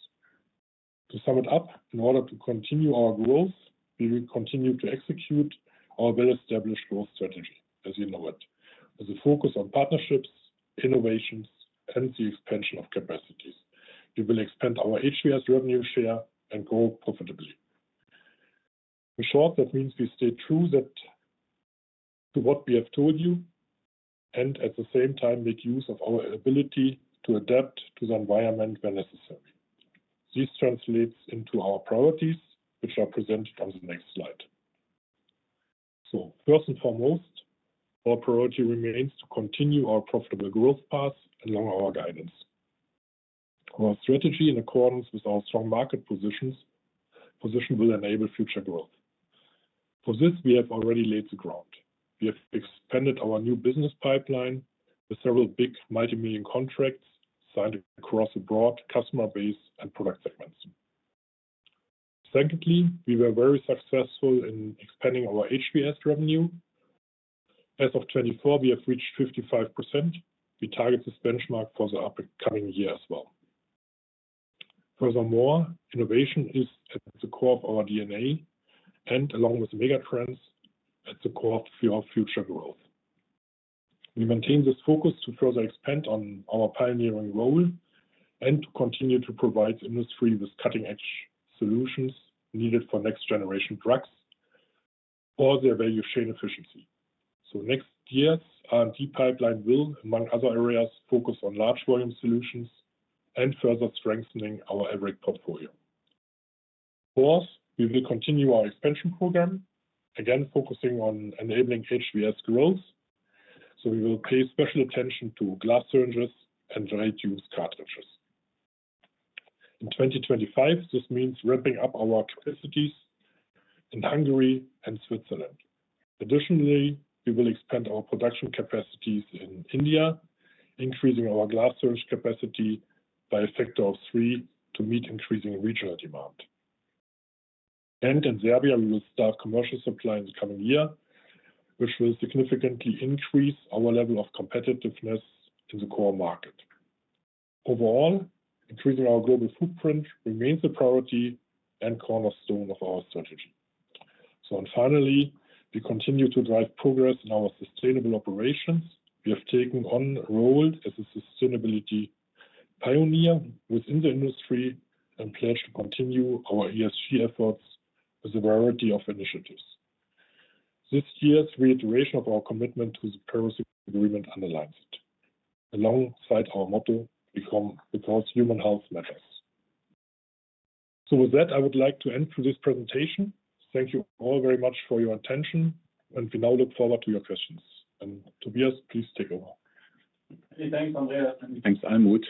To sum it up, in order to continue our growth, we will continue to execute our well-established growth strategy, as you know it, with a focus on partnerships, innovations, and the expansion of capacities. We will expand our HVS revenue share and grow profitably. In short, that means we stay true to what we have told you and, at the same time, make use of our ability to adapt to the environment where necessary. This translates into our priorities, which are presented on the next slide. First and foremost, our priority remains to continue our profitable growth path along our guidance. Our strategy, in accordance with our strong market positions, will enable future growth. For this, we have already laid the ground. We have expanded our new business pipeline with several big multimillion contracts signed across a broad customer base and product segments. Secondly, we were very successful in expanding our HVS revenue. As of 2024, we have reached 55%. We target this benchmark for the upcoming year as well. Furthermore, innovation is at the core of our DNA and, along with mega trends, at the core of our future growth. We maintain this focus to further expand on our pioneering role and to continue to provide the industry with cutting-edge solutions needed for next-generation drugs for their value chain efficiency. Next year's R&D pipeline will, among other areas, focus on large volume solutions and further strengthening our advanced portfolio. Fourth, we will continue our expansion program, again focusing on enabling HVS growth. We will pay special attention to glass syringes and ready-to-use cartridges. In 2025, this means ramping up our capacities in Hungary and Switzerland. Additionally, we will expand our production capacities in India, increasing our glass syringe capacity by a factor of three to meet increasing regional demand, and in Serbia, we will start commercial supply in the coming year, which will significantly increase our level of competitiveness in the core market. Overall, increasing our global footprint remains a priority and cornerstone of our strategy, so and finally, we continue to drive progress in our sustainable operations. We have taken on a role as a sustainability pioneer within the industry and pledge to continue our ESG efforts with a variety of initiatives. This year's reiteration of our commitment to the Paris Agreement underlines it, alongside our motto: "We care. Human health matters." So with that, I would like to end for this presentation. Thank you all very much for your attention, and we now look forward to your questions, and Tobias, please take over. Thanks, Andreas. Thanks, Almuth.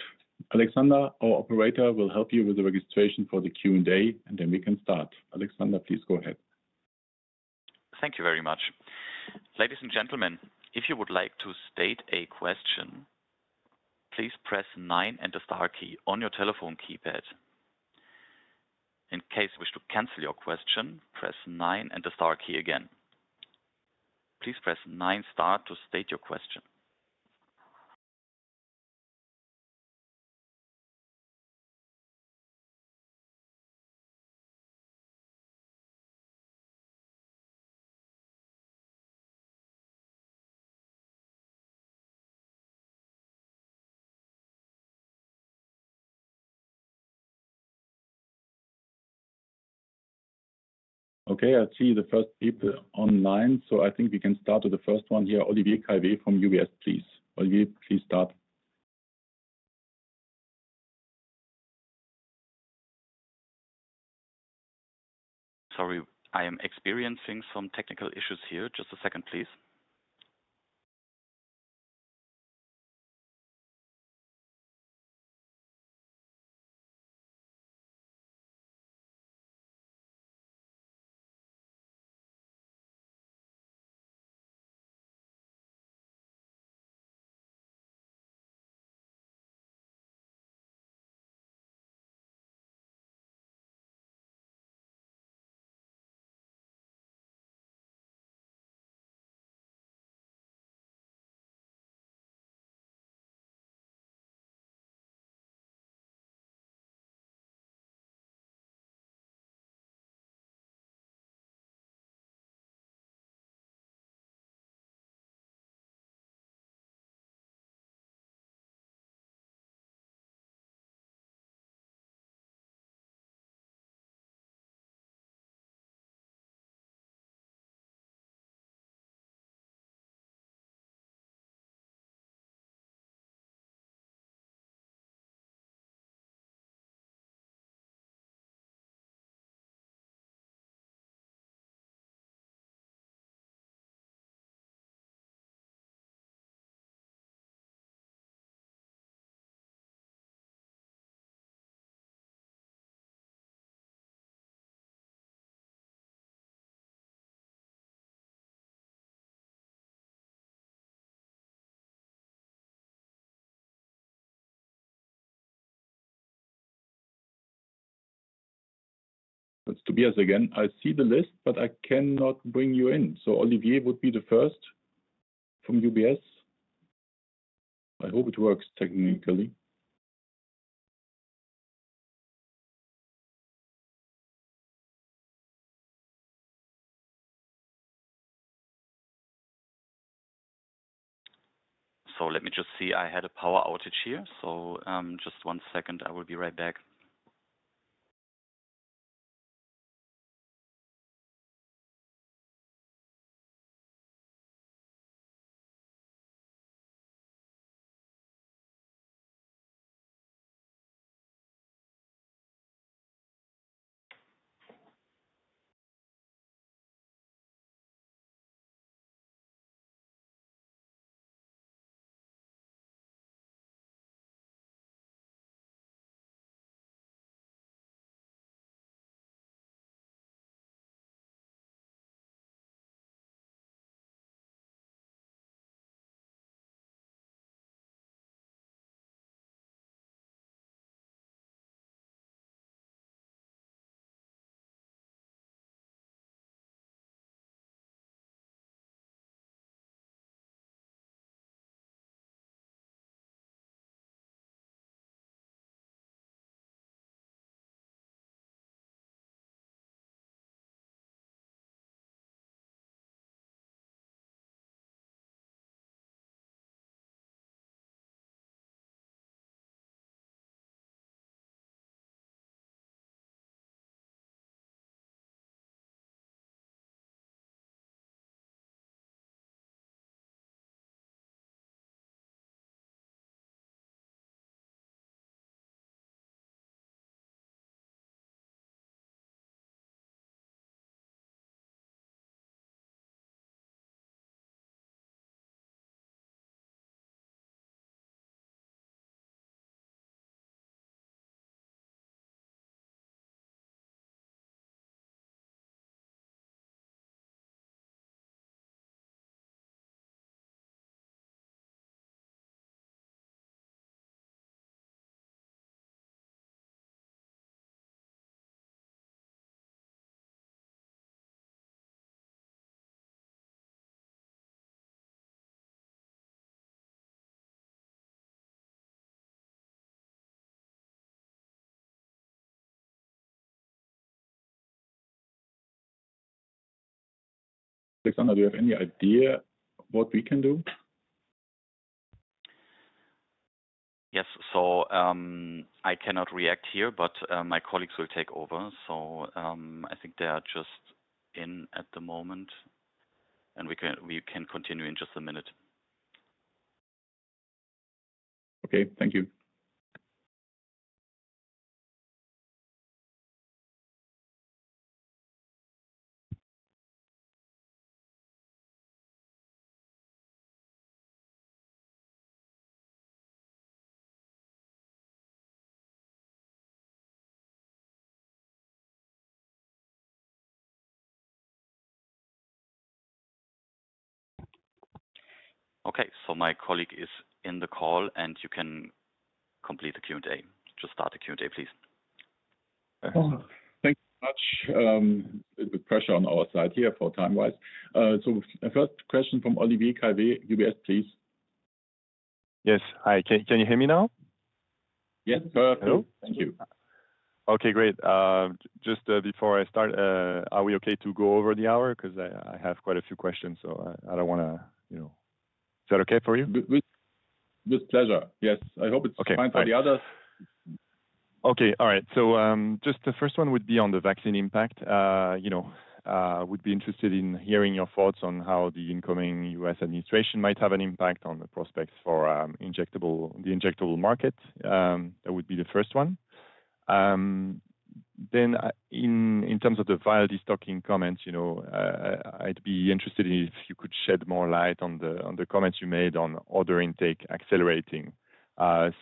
Alexander, our operator, will help you with the registration for the Q&A, and then we can start. Alexander, please go ahead. Thank you very much. Ladies and gentlemen, if you would like to state a question, please press 9 and the star key on your telephone keypad. In case you wish to cancel your question, press 9 and the star key again. Please press 9 star to state your question. Okay, I see the first people online, so I think we can start with the first one here. Olivier Calvet from UBS, please. Olivier, please start. Sorry, I am experiencing some technical issues here. Just a second, please. Tobias, again, I see the list, but I cannot bring you in. So, Olivier would be the first from UBS. I hope it works technically. So, let me just see. I had a power outage here. So, just one second. I will be right back . Alexander, do you have any idea what we can do? Yes. So, I cannot react here, but my colleagues will take over. So, I think they are just in at the moment, and we can continue in just a minute. Okay, thank you. Okay, so my colleague is in the call, and you can complete the Q&A. Just start the Q&A, please. Thanks so much. A bit of pressure on our side here for time-wise. So, first question from Olivier Calvet, UBS, please. Yes. Hi. Can you hear me now? Yes, perfect. Thank you. Okay, great. Just before I start, are we okay to go over the hour? Because I have quite a few questions, so I don't want to. Is that okay for you? With pleasure. Yes. I hope it's fine for the others. Okay. All right. So, just the first one would be on the vaccine impact. We'd be interested in hearing your thoughts on how the incoming U.S. administration might have an impact on the prospects for the injectable market. That would be the first one. Then, in terms of the vial destocking comments, I'd be interested in if you could shed more light on the comments you made on order intake accelerating.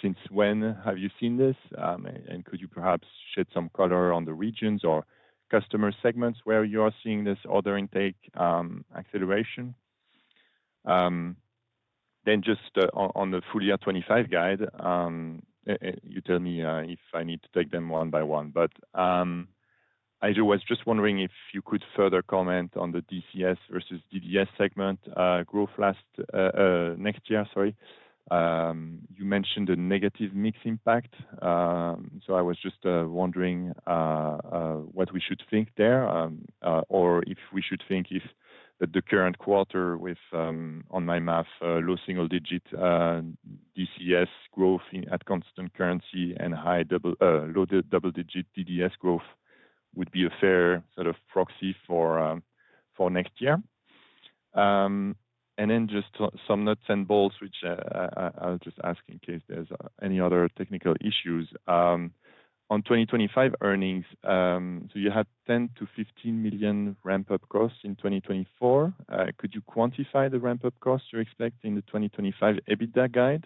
Since when have you seen this? And could you perhaps shed some color on the regions or customer segments where you are seeing this order intake acceleration? Then, just on the full year 2025 guide, you tell me if I need to take them one by one. But I was just wondering if you could further comment on the DCS versus DDS segment growth last next year. Sorry. You mentioned a negative mix impact. So, I was just wondering what we should think there or if we should think if the current quarter with, on my math, low single-digit DCS growth at constant currency and high double-digit DDS growth would be a fair sort of proxy for next year. And then, just some nuts and bolts, which I'll just ask in case there's any other technical issues. On 2025 earnings, so you had €10-15 million ramp-up costs in 2024. Could you quantify the ramp-up costs you're expecting in the 2025 EBITDA guide?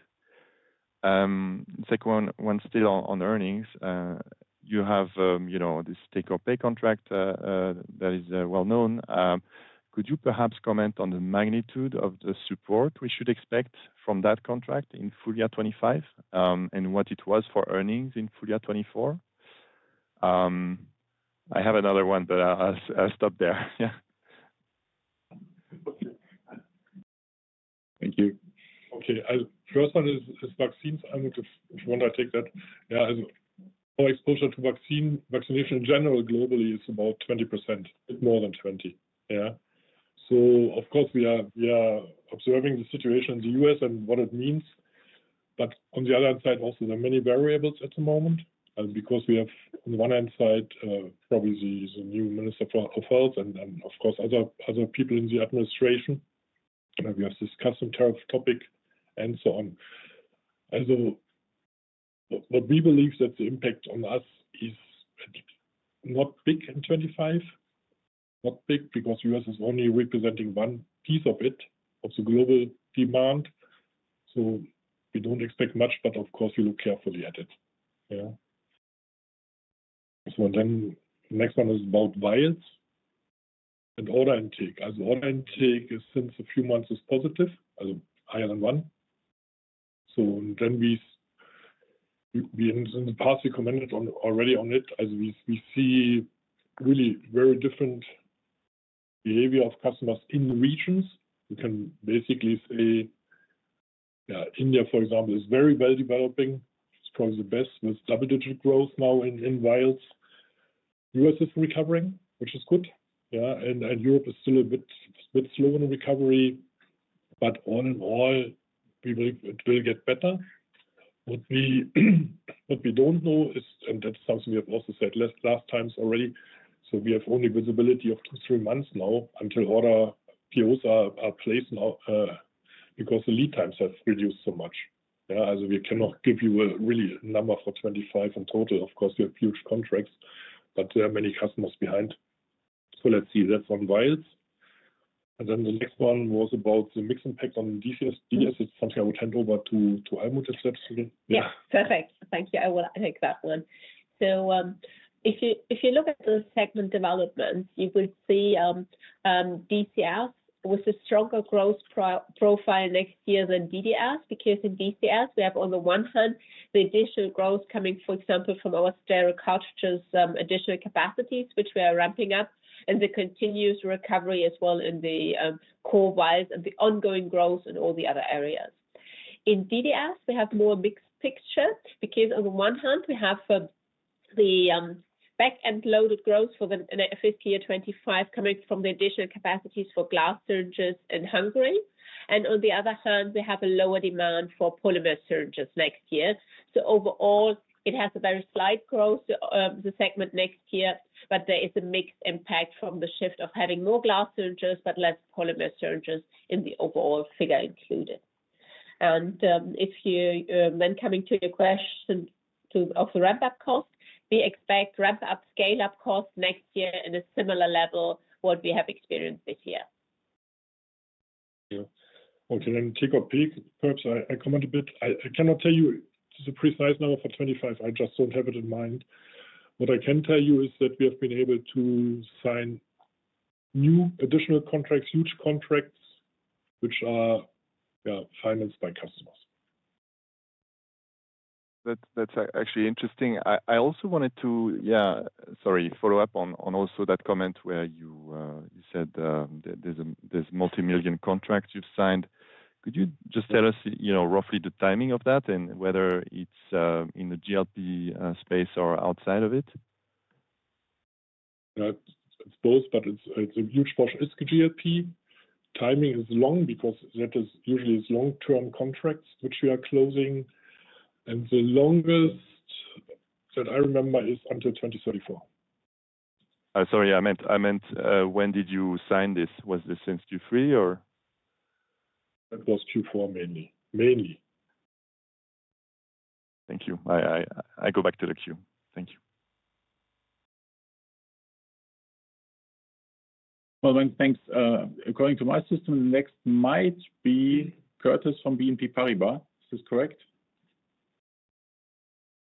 Second one, still on earnings, you have this take-or-pay contract that is well-known. Could you perhaps comment on the magnitude of the support we should expect from that contract in full year 2025 and what it was for earnings in full year 2024? I have another one, but I'll stop there. Yeah. Thank you. Okay. First one is vaccines.I would want to take that. Yeah. So, exposure to vaccination in general, globally, is about 20%, more than 20%. Yeah. So, of course, we are observing the situation in the U.S. and what it means. But on the other side, also, there are many variables at the moment because we have, on the one hand side, probably the new Minister of Health and, of course, other people in the administration. We have this customs tariff topic and so on. So, what we believe that the impact on us is not big in 2025, not big because the U.S. is only representing one piece of it of the global demand. So, we don't expect much, but, of course, we look carefully at it. Yeah. So, and then the next one is about vials and order intake. As order intake is, since a few months, positive, higher than one. So, and then in the past, we commented already on it. We see really very different behavior of customers in regions. We can basically say, yeah, India, for example, is very well developing. It's probably the best with double-digit growth now in vials. The US is recovering, which is good. Yeah. And Europe is still a bit slow in recovery. But all in all, we believe it will get better. What we don't know is, and that's something we have also said last times already. So, we have only visibility of two, three months now until order POs are placed now because the lead times have reduced so much. Yeah. So, we cannot give you a really number for 2025 in total. Of course, we have huge contracts, but there are many customers behind. So, let's see. That's on vials. And then the next one was about the mix impact on DCS. DCS, it's something I would hand over to Almuth, if that's okay. Yeah. Perfect. Thank you. I will take that one. So, if you look at the segment developments, you would see DCS with a stronger growth profile next year than DDS because in DCS, we have, on the one hand, the additional growth coming, for example, from our sterile cartridges, additional capacities, which we are ramping up, and the continuous recovery as well in the core vials and the ongoing growth in all the other areas. In DDS, we have more mixed picture because, on the one hand, we have the back-end loaded growth for the fiscal year 2025 coming from the additional capacities for glass syringes in Hungary. And on the other hand, we have a lower demand for polymer syringes next year. So, overall, it has a very slight growth, the segment next year, but there is a mixed impact from the shift of having more glass syringes but less polymer syringes in the overall figure included. And if you then come to your question of the ramp-up cost, we expect ramp-up, scale-up costs next year in a similar level to what we have experienced this year. Thank you. Okay. Then take a peek. Perhaps I comment a bit. I cannot tell you the precise number for 2025. I just don't have it in mind. What I can tell you is that we have been able to sign new additional contracts, huge contracts, which are financed by customers. That's actually interesting. I also wanted to, yeah, sorry, follow up on also that comment where you said there's multimillion contracts you've signed. Could you just tell us roughly the timing of that and whether it's in the GLP space or outside of it? It's both, but it's a huge portion. It's GLP. Timing is long because that is usually long-term contracts which we are closing. And the longest that I remember is until 2034. Sorry, I meant when did you sign this? Was this since 2023 or? It was 2024, mainly. Mainly. Thank you. I go back to the queue. Thank you. Well, thanks. According to my system, the next might be Curtis from BNP Paribas. Is this correct?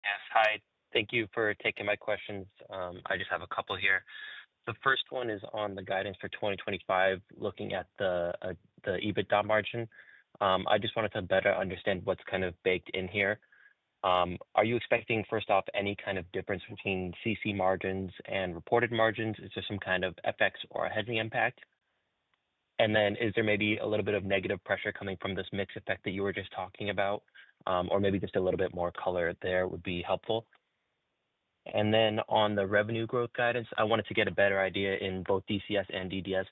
Yes. Hi. Thank you for taking my questions. I just have a couple here. The first one is on the guidance for 2025, looking at the EBITDA margin. I just wanted to better understand what's kind of baked in here. Are you expecting, first off, any kind of difference between CC margins and reported margins? Is there some kind of FX or a hedging impact? And then, is there maybe a little bit of negative pressure coming from this mix effect that you were just talking about? Or maybe just a little bit more color there would be helpful. And then, on the revenue growth guidance, I wanted to get a better idea in both DCS and DDS.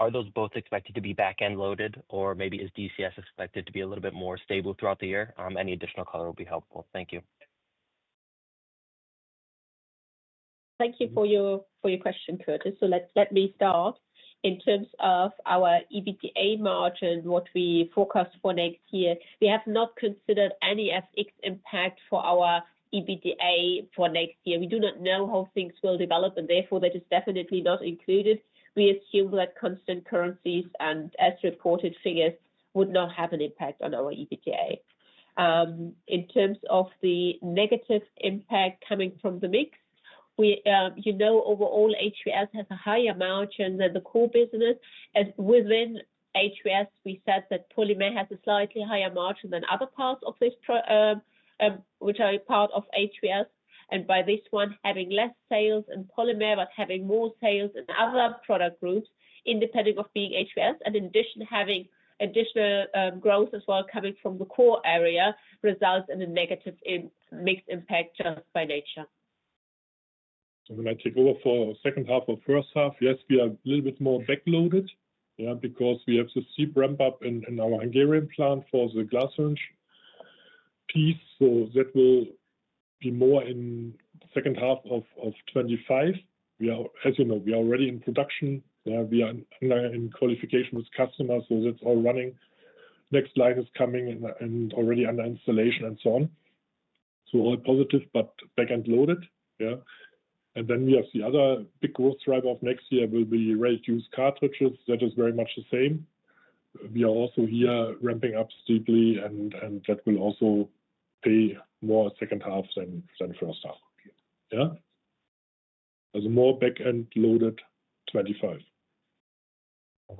Are those both expected to be back-end loaded, or maybe is DCS expected to be a little bit more stable throughout the year? Any additional color would be helpful. Thank you. Thank you for your question, Curtis. So, let me start. In terms of our EBITDA margin, what we forecast for next year, we have not considered any FX impact for our EBITDA for next year. We do not know how things will develop, and therefore, that is definitely not included. We assume that constant currencies and as-reported figures would not have an impact on our EBITDA. In terms of the negative impact coming from the mix, you know overall HVS has a higher margin than the core business. And within HVS, we said that polymer has a slightly higher margin than other parts of this, which are part of HVS. And by this one, having less sales in polymer but having more sales in other product groups, independent of being HVS, and in addition, having additional growth as well coming from the core area results in a negative mixed impact just by nature. So when I take over for the second half of the first half, yes, we are a little bit more backloaded, yeah, because we have to see ramp-up in our Hungarian plant for the glass syringe piece. So that will be more in the second half of 2025. As you know, we are already in production. We are in qualification with customers. So that's all running. Next line is coming and already under installation and so on. So all positive, but back-end loaded. Yeah. And then we have the other big growth driver of next year will be RTU cartridges. That is very much the same. We are also here ramping up steeply, and that will also pay more second half than first half. Yeah. There's more back-end loaded 2025.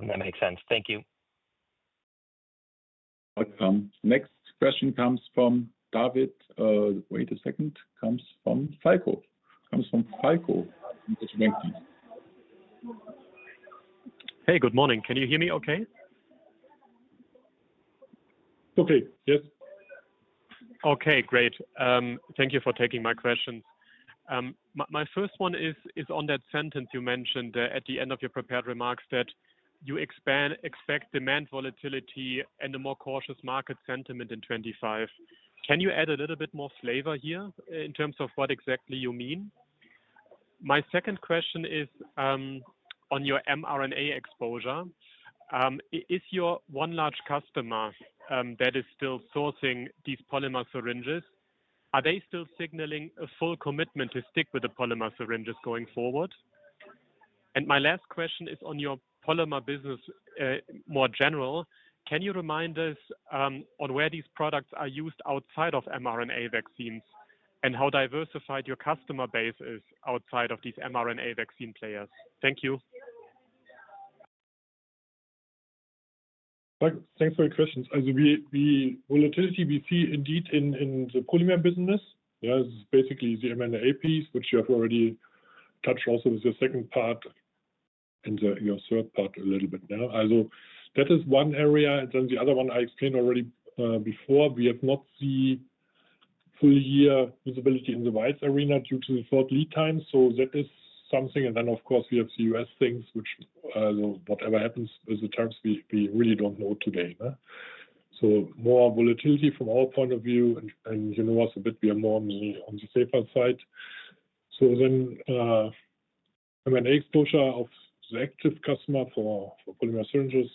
That makes sense. Thank you. Next question comes from David. Wait a second. Comes from Falko. Comes from Falko from Deutsche Bank. Hey, good morning. Can you hear me okay? Okay. Yes. Okay. Great. Thank you for taking my questions. My first one is on that sentence you mentioned at the end of your prepared remarks that you expect demand volatility and a more cautious market sentiment in 2025. Can you add a little bit more flavor here in terms of what exactly you mean? My second question is on your mRNA exposure. Is your one large customer that is still sourcing these polymer syringes, are they still signaling a full commitment to stick with the polymer syringes going forward? And my last question is on your polymer business more general. Can you remind us on where these products are used outside of mRNA vaccines and how diversified your customer base is outside of these mRNA vaccine players? Thank you. Thanks for your questions. So the volatility we see indeed in the polymer business, yeah, is basically the mRNA piece, which you have already touched also with your second part and your third part a little bit now. So that is one area. And then the other one I explained already before, we have not seen full year visibility in the vials arena due to the short lead time. So that is something. And then, of course, we have the U.S. things, which whatever happens is the terms we really don't know today. So more volatility from our point of view. And you know us a bit. We are more on the safer side. So then mRNA exposure of the active customer for polymer syringes,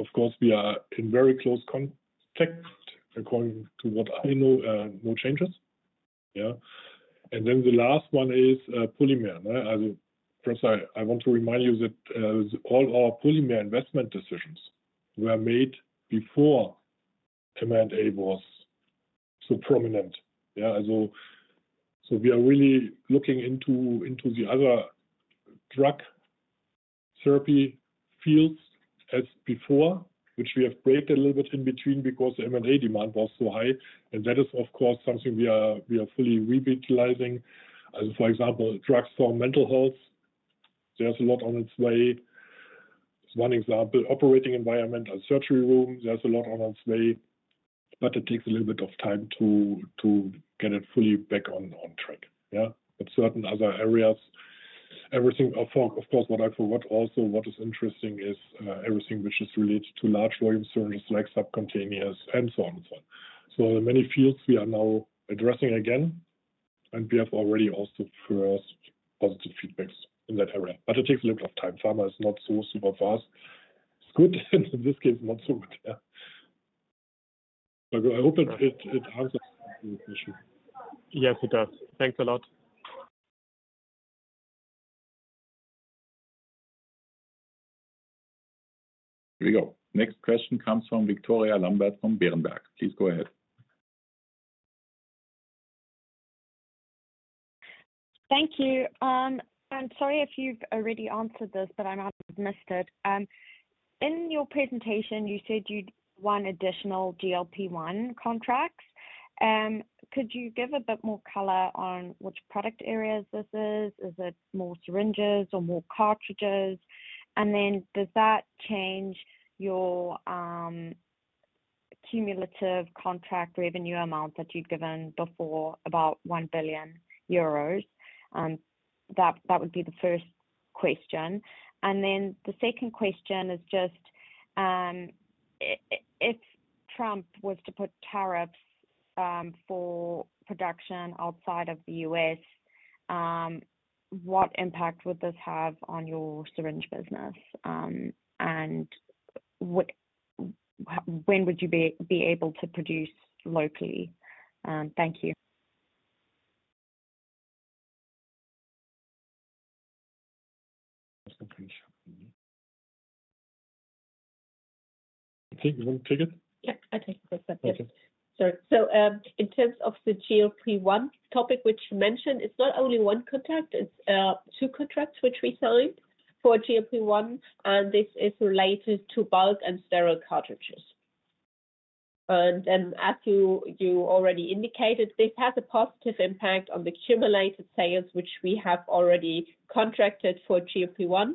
of course, we are in very close contact according to what I know, no changes. Yeah. And then the last one is polymer. First, I want to remind you that all our polymer investment decisions were made before mRNA was so prominent. Yeah. So we are really looking into the other drug therapy fields as before, which we have played a little bit in between because the mRNA demand was so high, and that is, of course, something we are fully revitalizing. For example, drugs for mental health, there's a lot on its way. One example, operating environment and surgery room, there's a lot on its way, but it takes a little bit of time to get it fully back on track. Yeah, but certain other areas, everything, of course, what I forgot. Also, what is interesting is everything which is related to large volume syringes like subcutaneous and so on and so on. There are many fields we are now addressing again, and we have already also first positive feedbacks in that area. But it takes a little bit of time. Pharma is not so super fast. It's good. In this case, not so good. Yeah. I hope it answers the question. Yes, it does. Thanks a lot. Here we go. Next question comes from Victoria Lambert from Berenberg. Please go ahead. Thank you. And sorry if you've already answered this, but I might have missed it. In your presentation, you said you'd won additional GLP-1 contracts. Could you give a bit more color on which product areas this is? Is it more syringes or more cartridges? And then does that change your cumulative contract revenue amount that you've given before, about 1 billion euros? That would be the first question. And then the second question is just if Trump was to put tariffs for production outside of the U.S., what impact would this have on your syringe business? And when would you be able to produce locally? Thank you. Okay. You want to take it? Yeah. I'll take a quick step there. Sorry. So in terms of the GLP-1 topic which you mentioned, it's not only one contract. It's two contracts which we signed for GLP-1, and this is related to bulk and sterile cartridges. And as you already indicated, this has a positive impact on the cumulated sales which we have already contracted for GLP-1.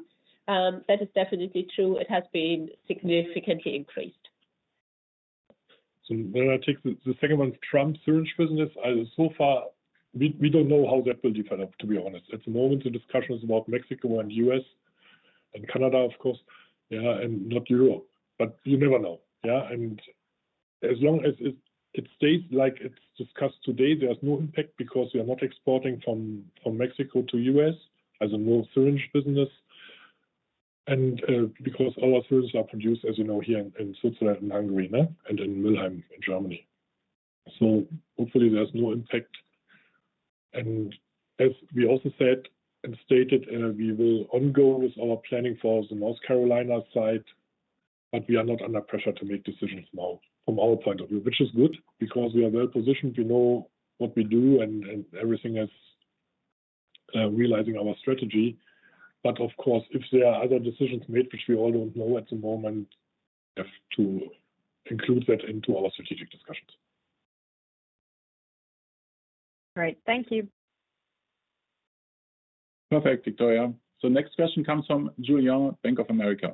That is definitely true. It has been significantly increased. So then I'll take the second one, Trump syringe business. So far, we don't know how that will develop, to be honest. At the moment, the discussion is about Mexico and the U.S. and Canada, of course, yeah, and not Europe. But you never know. Yeah. And as long as it stays like it's discussed today, there's no impact because we are not exporting from Mexico to the U.S. as a new syringe business. And because our syringes are produced, as you know, here in Switzerland and Hungary and in Müllheim in Germany. So hopefully, there's no impact. And as we also said and stated, we will go on with our planning for the North Carolina site, but we are not under pressure to make decisions now from our point of view, which is good because we are well-positioned. We know what we do, and everything is realizing our strategy. But of course, if there are other decisions made, which we all don't know at the moment, we have to include that into our strategic discussions. Great. Thank you. Perfect, Victoria. So next question comes from Julian, Bank of America.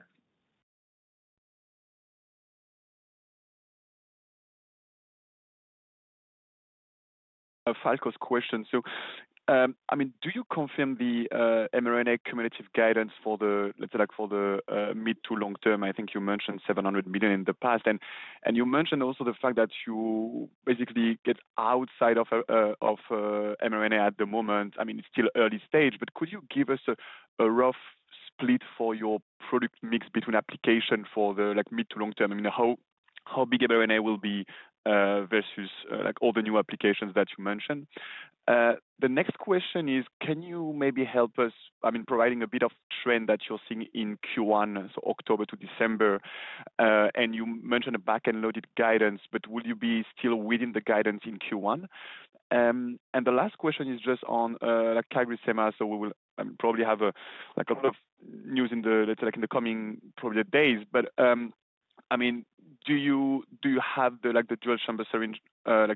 Falco's question. So I mean, do you confirm the mRNA cumulative guidance for the, let's say, for the mid to long term? I think you mentioned €700 million in the past. And you mentioned also the fact that you basically get outside of mRNA at the moment. I mean, it's still early stage. But could you give us a rough split for your product mix between application for the mid to long term? I mean, how big mRNA will be versus all the new applications that you mentioned? The next question is, can you maybe help us, I mean, providing a bit of trend that you're seeing in Q1, so October to December? And you mentioned a back-end loaded guidance, but will you be still within the guidance in Q1? And the last question is just on CPhI Seminar. So we will probably have a lot of news in the, let's say, coming probably days. But I mean, do you have the dual chamber syringe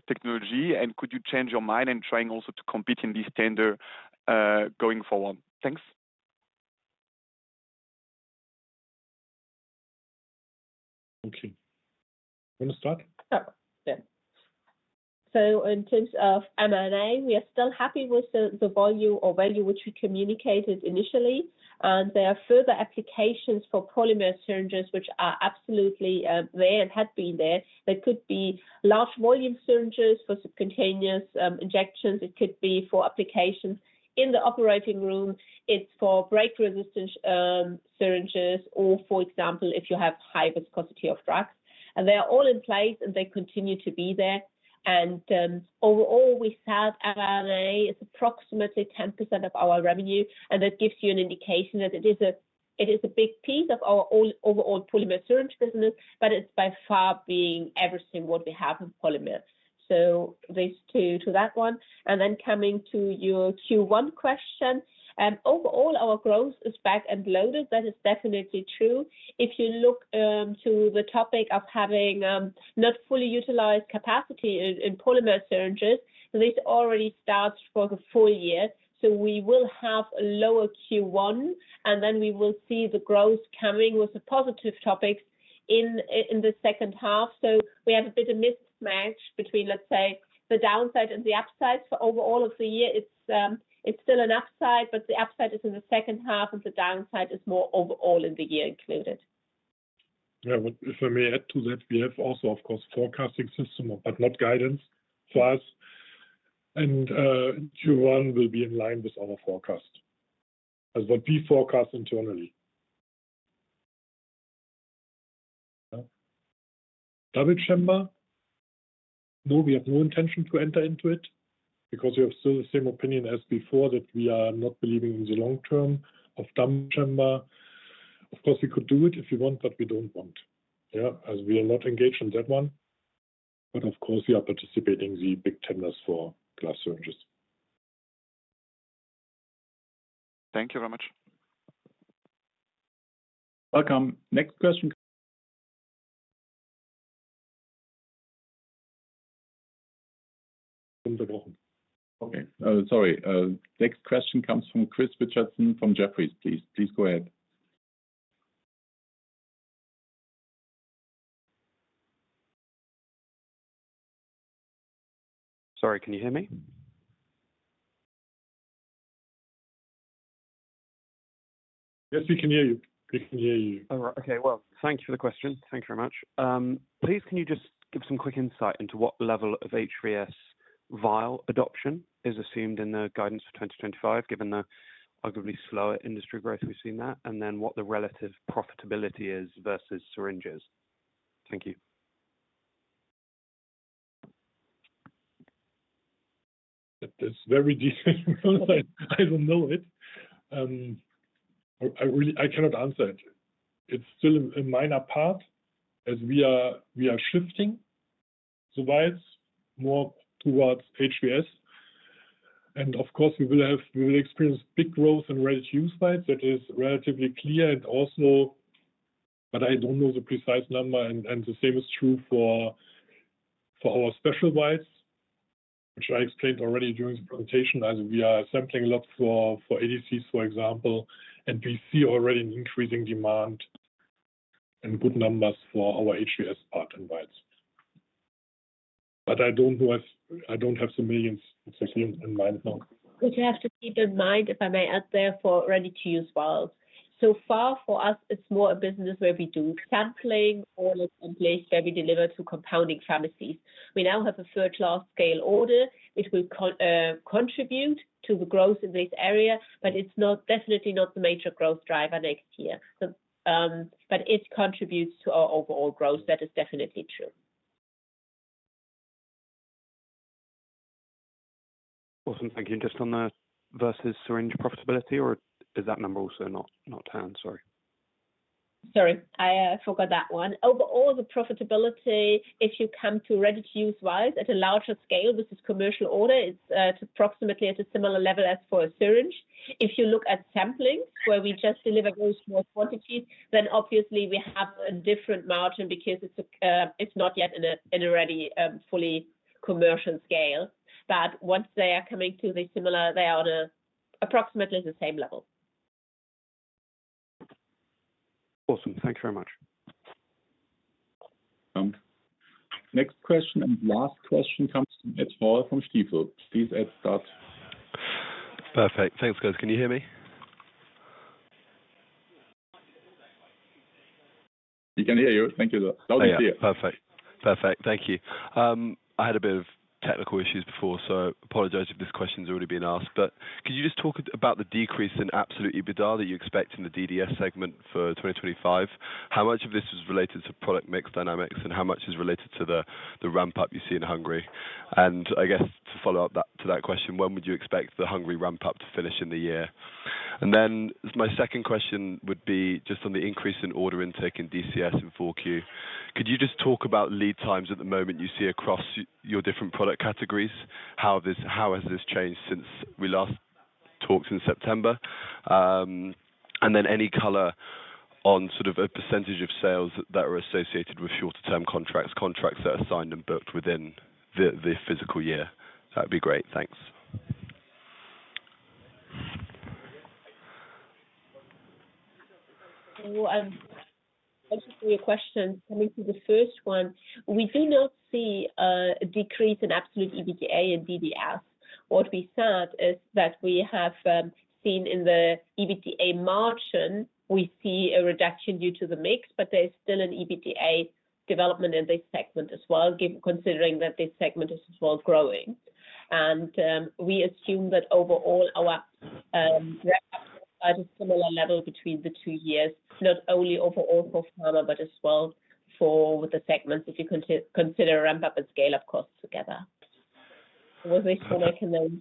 technology? And could you change your mind and trying also to compete in this tender going forward? Thanks. Okay. You want to start? Yeah. Yeah. So in terms of mRNA, we are still happy with the volume or value which we communicated initially. And there are further applications for polymer syringes, which are absolutely there and had been there. They could be large volume syringes for subcutaneous injections. It could be for applications in the operating room. It's for break-resistant syringes or, for example, if you have high viscosity of drugs. And they are all in place, and they continue to be there. And overall, we sell mRNA as approximately 10% of our revenue. And that gives you an indication that it is a big piece of our overall polymer syringe business, but it's by far being everything what we have in polymer. So these two to that one. And then coming to your Q1 question, overall, our growth is back-end loaded. That is definitely true. If you look to the topic of having not fully utilized capacity in polymer syringes, this already starts for the full year. So we will have a lower Q1, and then we will see the growth coming with the positive topics in the second half. So we have a bit of mismatch between, let's say, the downside and the upside. Overall of the year, it's still an upside, but the upside is in the second half, and the downside is more overall in the year included. Yeah. If I may add to that, we have also, of course, forecasting system, but not guidance for us. And Q1 will be in line with our forecast as what we forecast internally. Dual chamber? No, we have no intention to enter into it because we have still the same opinion as before that we are not believing in the long term of dual chamber. Of course, we could do it if we want, but we don't want. Yeah. As we are not engaged in that one. But of course, we are participating in the big tenders for glass syringes. Thank you very much. Welcome. Next question. Okay. Sorry. Next question comes from Chris Richardson from Jefferies. Please, please go ahead. Sorry. Can you hear me? Yes, we can hear you. Okay. Well, thank you for the question. Thank you very much. Please, can you just give some quick insight into what level of HVS vial adoption is assumed in the guidance for 2025, given the arguably slower industry growth we've seen there, and then what the relative profitability is versus syringes? Thank you. That's very detailed. I don't know it. I cannot answer it. It's still a minor part as we are shifting so much more towards HVS. And of course, we will experience big growth in ready-to-use vials. That is relatively clear. And also, but I don't know the precise number. And the same is true for our specialty vials, which I explained already during the presentation. As we are sampling a lot for ADCs, for example, and we see already an increasing demand and good numbers for our HVS part in vials. But I don't have the millions exactly in mind now. Which I have to keep in mind, if I may add there, for ready-to-use vials. So far for us, it's more a business where we do sampling or in place where we deliver to compounding pharmacies. We now have a third-large scale order. It will contribute to the growth in this area, but it's definitely not the major growth driver next year. But it contributes to our overall growth. That is definitely true. Awesome. Thank you. Just on the vial versus syringe profitability, or is that number also not turned? Sorry. Sorry. I forgot that one. Overall, the profitability, if you come to ready-to-use vials at a larger scale versus commercial order, it's approximately at a similar level as for a syringe. If you look at samplings where we just deliver those small quantities, then obviously we have a different margin because it's not yet in a ready fully commercial scale. But once they are coming to the similar, they are on approximately the same level. Awesome. Thanks very much. Next question and last question comes [Stephen Willey] from {Stifel}. Please add that. Perfect. Thanks, guys. Can you hear me? We can hear you. Thank you. Loud and clear. Yeah. Perfect. Perfect. Thank you. I had a bit of technical issues before, so I apologize if this question's already been asked. But could you just talk about the decrease in absolute EBITDA that you expect in the DDS segment for 2025? How much of this is related to product mix dynamics, and how much is related to the ramp-up you see in Hungary? And I guess to follow up to that question, when would you expect the Hungary ramp-up to finish in the year? And then my second question would be just on the increase in order intake in DCS in 4Q. Could you just talk about lead times at the moment you see across your different product categories? How has this changed since we last talked in September? And then any color on sort of a percentage of sales that are associated with shorter-term contracts, contracts that are signed and booked within the fiscal year? That would be great. Thanks. Thank you for your question. Coming to the first one, we do not see a decrease in absolute EBITDA and DDS. What we saw is that we have seen in the EBITDA margin a reduction due to the mix, but there is still an EBITDA development in this segment as well, considering that this segment is as well growing. And we assume that overall our ramp-up is at a similar level between the two years, not only overall for pharma, but as well for the segments if you consider ramp-up and scale-up costs together. Was this one I can then?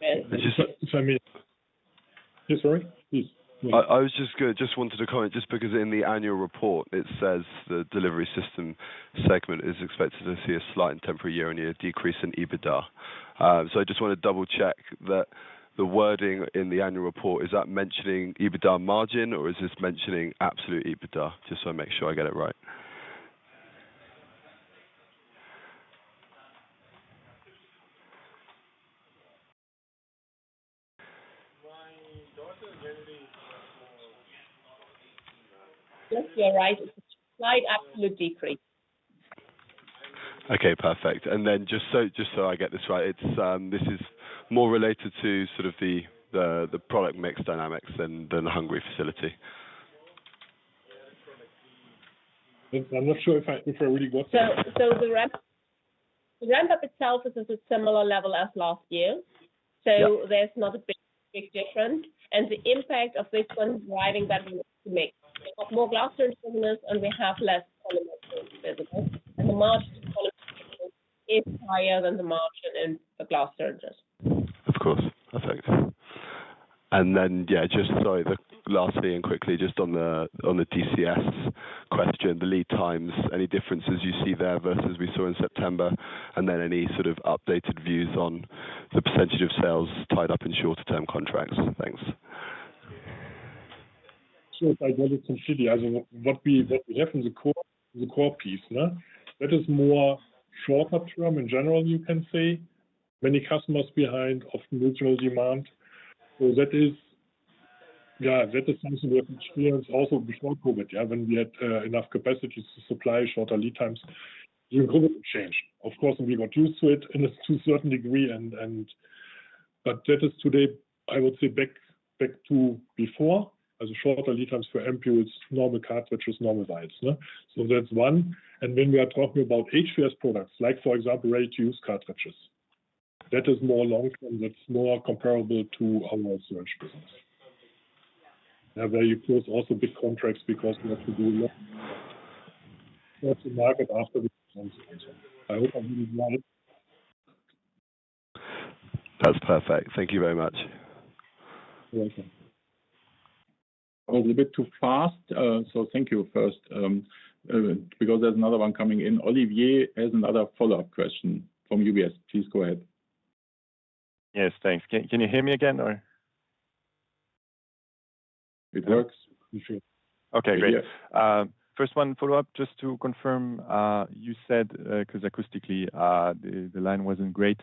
Yeah. Sorry. Please. I was just going to wanted to comment just because in the annual report, it says the delivery system segment is expected to see a slight temporary year-on-year decrease in EBITDA. So I just want to double-check that the wording in the annual report, is that mentioning EBITDA margin, or is this mentioning absolute EBITDA? Just want to make sure I get it right. Yes, you're right. It's a slight absolute decrease. Okay. Perfect. And then just so I get this right, this is more related to sort of the product mix dynamics than the Hungary facility? I'm not sure if I really got that. So the ramp-up itself is at a similar level as last year. So there's not a big difference. And the impact of this one is driving that we need to make more glass syringe business, and we have less polymer syringe business. And the margin to polymer syringe is higher than the margin in the glass syringes. \Of course. Perfect. And then, yeah, just sorry, lastly and quickly, just on the DCS question, the lead times, any differences you see there versus what we saw in September? And then any sort of updated views on the percentage of sales tied up in shorter-term contracts? Thanks. I want to consider what we have in the core piece. That is more shorter term in general, you can say. Many customers behind of mutual demand. That is, yeah, that is something we have experienced also before COVID, yeah, when we had enough capacity to supply shorter lead times. You can change it. Of course, we got used to it to a certain degree. But that is today, I would say, back to before. As shorter lead times for ampoules, it's normal cartridges, normal vials. That's one. When we are talking about HVS products, like for example, ready-to-use cartridges, that is more long-term. That's more comparable to our syringe business. Yeah, where you close also big contracts because we have to do lots of market after. I hope I'm being clear. That's perfect. Thank you very much. You're welcome. That was a bit too fast. So thank you first because there's another one coming in. Olivier has another follow-up question from UBS. Please go ahead. Yes. Thanks. Can you hear me again, or? It works. Okay. Great. First one, follow-up. Just to confirm, you said because acoustically, the line wasn't great.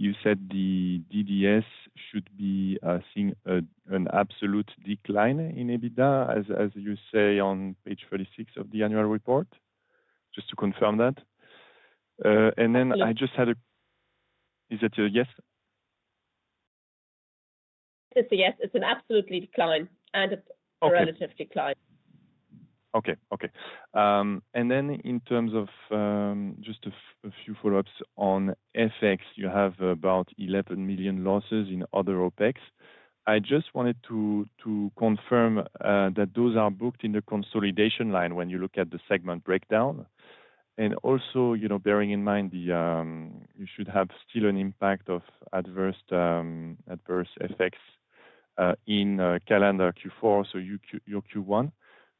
You said the DDS should be seeing an absolute decline in EBITDA, as you say on page 36 of the annual report. Just to confirm that. And then I just had a—is that a yes? It's a yes. It's an absolute decline, and it's a relative decline. Okay. Okay. And then in terms of just a few follow-ups on FX, you have about 11 million losses in other OpEx. I just wanted to confirm that those are booked in the consolidation line when you look at the segment breakdown. And also, bearing in mind you should have still an impact of adverse FX in calendar Q4, so your Q1,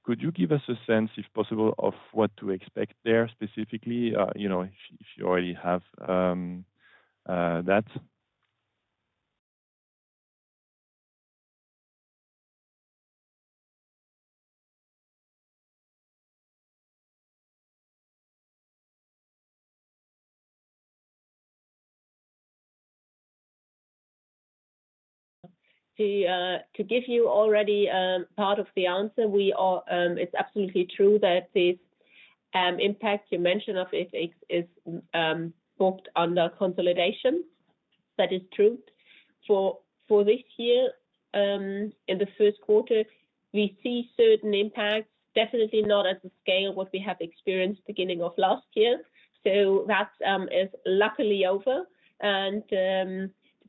could you give us a sense, if possible, of what to expect there specifically if you already have that? To give you already part of the answer, it's absolutely true that this impact you mentioned of FX is booked under consolidation. That is true. For this year, in the first quarter, we see certain impacts, definitely not at the scale what we have experienced beginning of last year. So that is luckily over.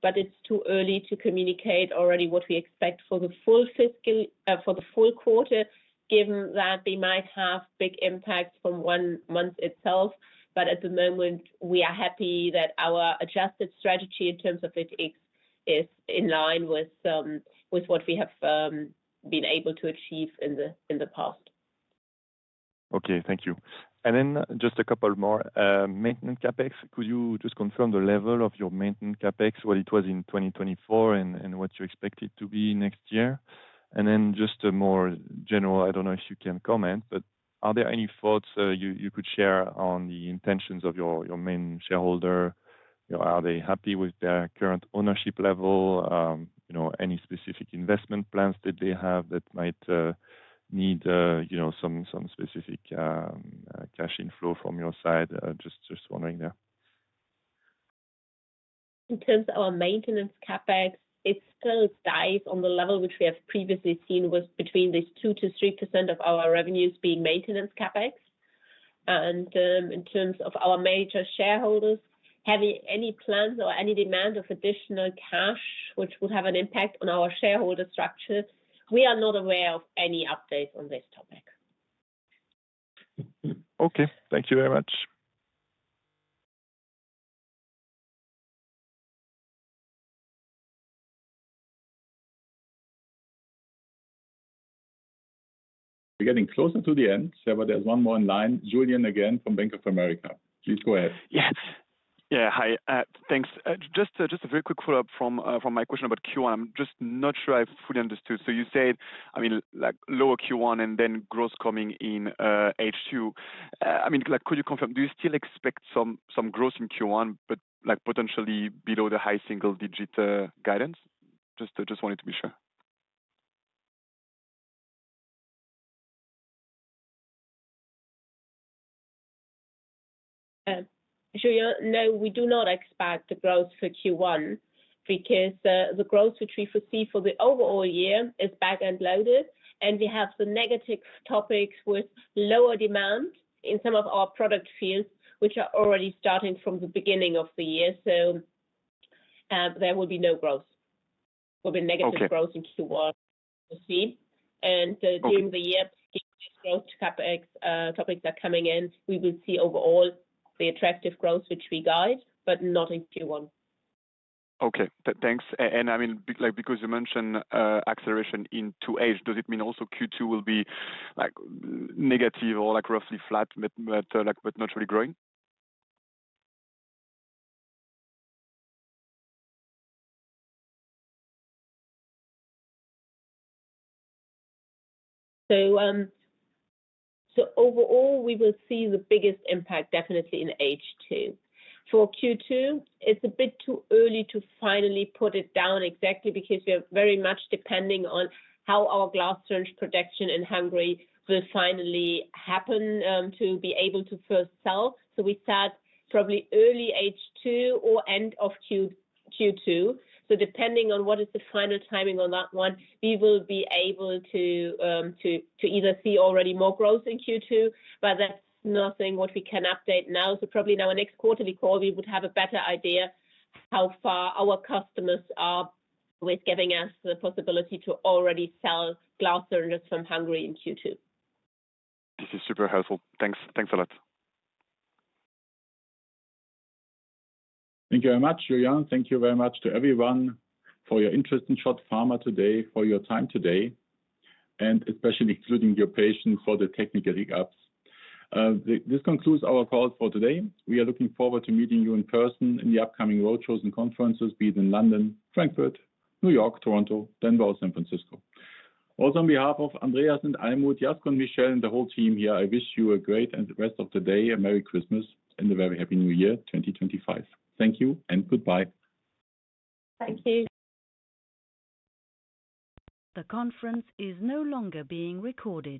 But it's too early to communicate already what we expect for the full quarter, given that they might have big impacts from one month itself. But at the moment, we are happy that our adjusted strategy in terms of FX is in line with what we have been able to achieve in the past. Okay. Thank you. And then just a couple more. Maintenance CapEx, could you just confirm the level of your maintenance CapEx, what it was in 2024, and what you expect it to be next year? And then just a more general-I don't know if you can comment, but are there any thoughts you could share on the intentions of your main shareholder? Are they happy with their current ownership level? Any specific investment plans that they have that might need some specific cash inflow from your side? Just wondering there. In terms of our maintenance CapEx, it still stays on the level which we have previously seen was between this 2%-3% of our revenues being maintenance CapEx. And in terms of our major shareholders having any plans or any demand of additional cash, which would have an impact on our shareholder structure, we are not aware of any updates on this topic. Okay. Thank you very much. We're getting closer to the end. There's one more in line. Julian again from Bank of America. Please go ahead. Yes. Yeah. Hi. Thanks. Just a very quick follow-up from my question about Q1. I'm just not sure I fully understood. So you said, I mean, lower Q1 and then growth coming in H2. I mean, could you confirm, do you still expect some growth in Q1, but potentially below the high single-digit guidance? Just wanted to be sure. No, we do not expect growth for Q1 because the growth which we foresee for the overall year is back and loaded. We have some negative topics with lower demand in some of our product fields, which are already starting from the beginning of the year. So there will be no growth. There will be negative growth in Q1, you see. And during the year, growth topics are coming in. We will see overall the attractive growth, which we guide, but not in Q1. Okay. Thanks. And I mean, because you mentioned acceleration into H, does it mean also Q2 will be negative or roughly flat, but not really growing? So overall, we will see the biggest impact definitely in H2. For Q2, it's a bit too early to finally put it down exactly because we are very much depending on how our glass syringe production in Hungary will finally happen to be able to first sell. So we said probably early H2 or end of Q2. So depending on what is the final timing on that one, we will be able to either see already more growth in Q2, but that's nothing what we can update now. So probably now in next quarterly call, we would have a better idea how far our customers are with giving us the possibility to already sell glass syringes from Hungary in Q2. This is super helpful. Thanks a lot. Thank you very much, Julian. Thank you very much to everyone for your interest in SCHOTT Pharma today, for your time today, and especially including your patience for the technical hiccups. This concludes our call for today. We are looking forward to meeting you in person in the upcoming roadshows and conferences, be it in London, Frankfurt, New York, Toronto, Denver, or San Francisco. Also, on behalf of Andreas and Almuth, Jesco and Michelle, and the whole team here, I wish you a great rest of the day, a Merry Christmas, and a very happy New Year 2025. Thank you and goodbye. Thank you. The conference is no longer being recorded.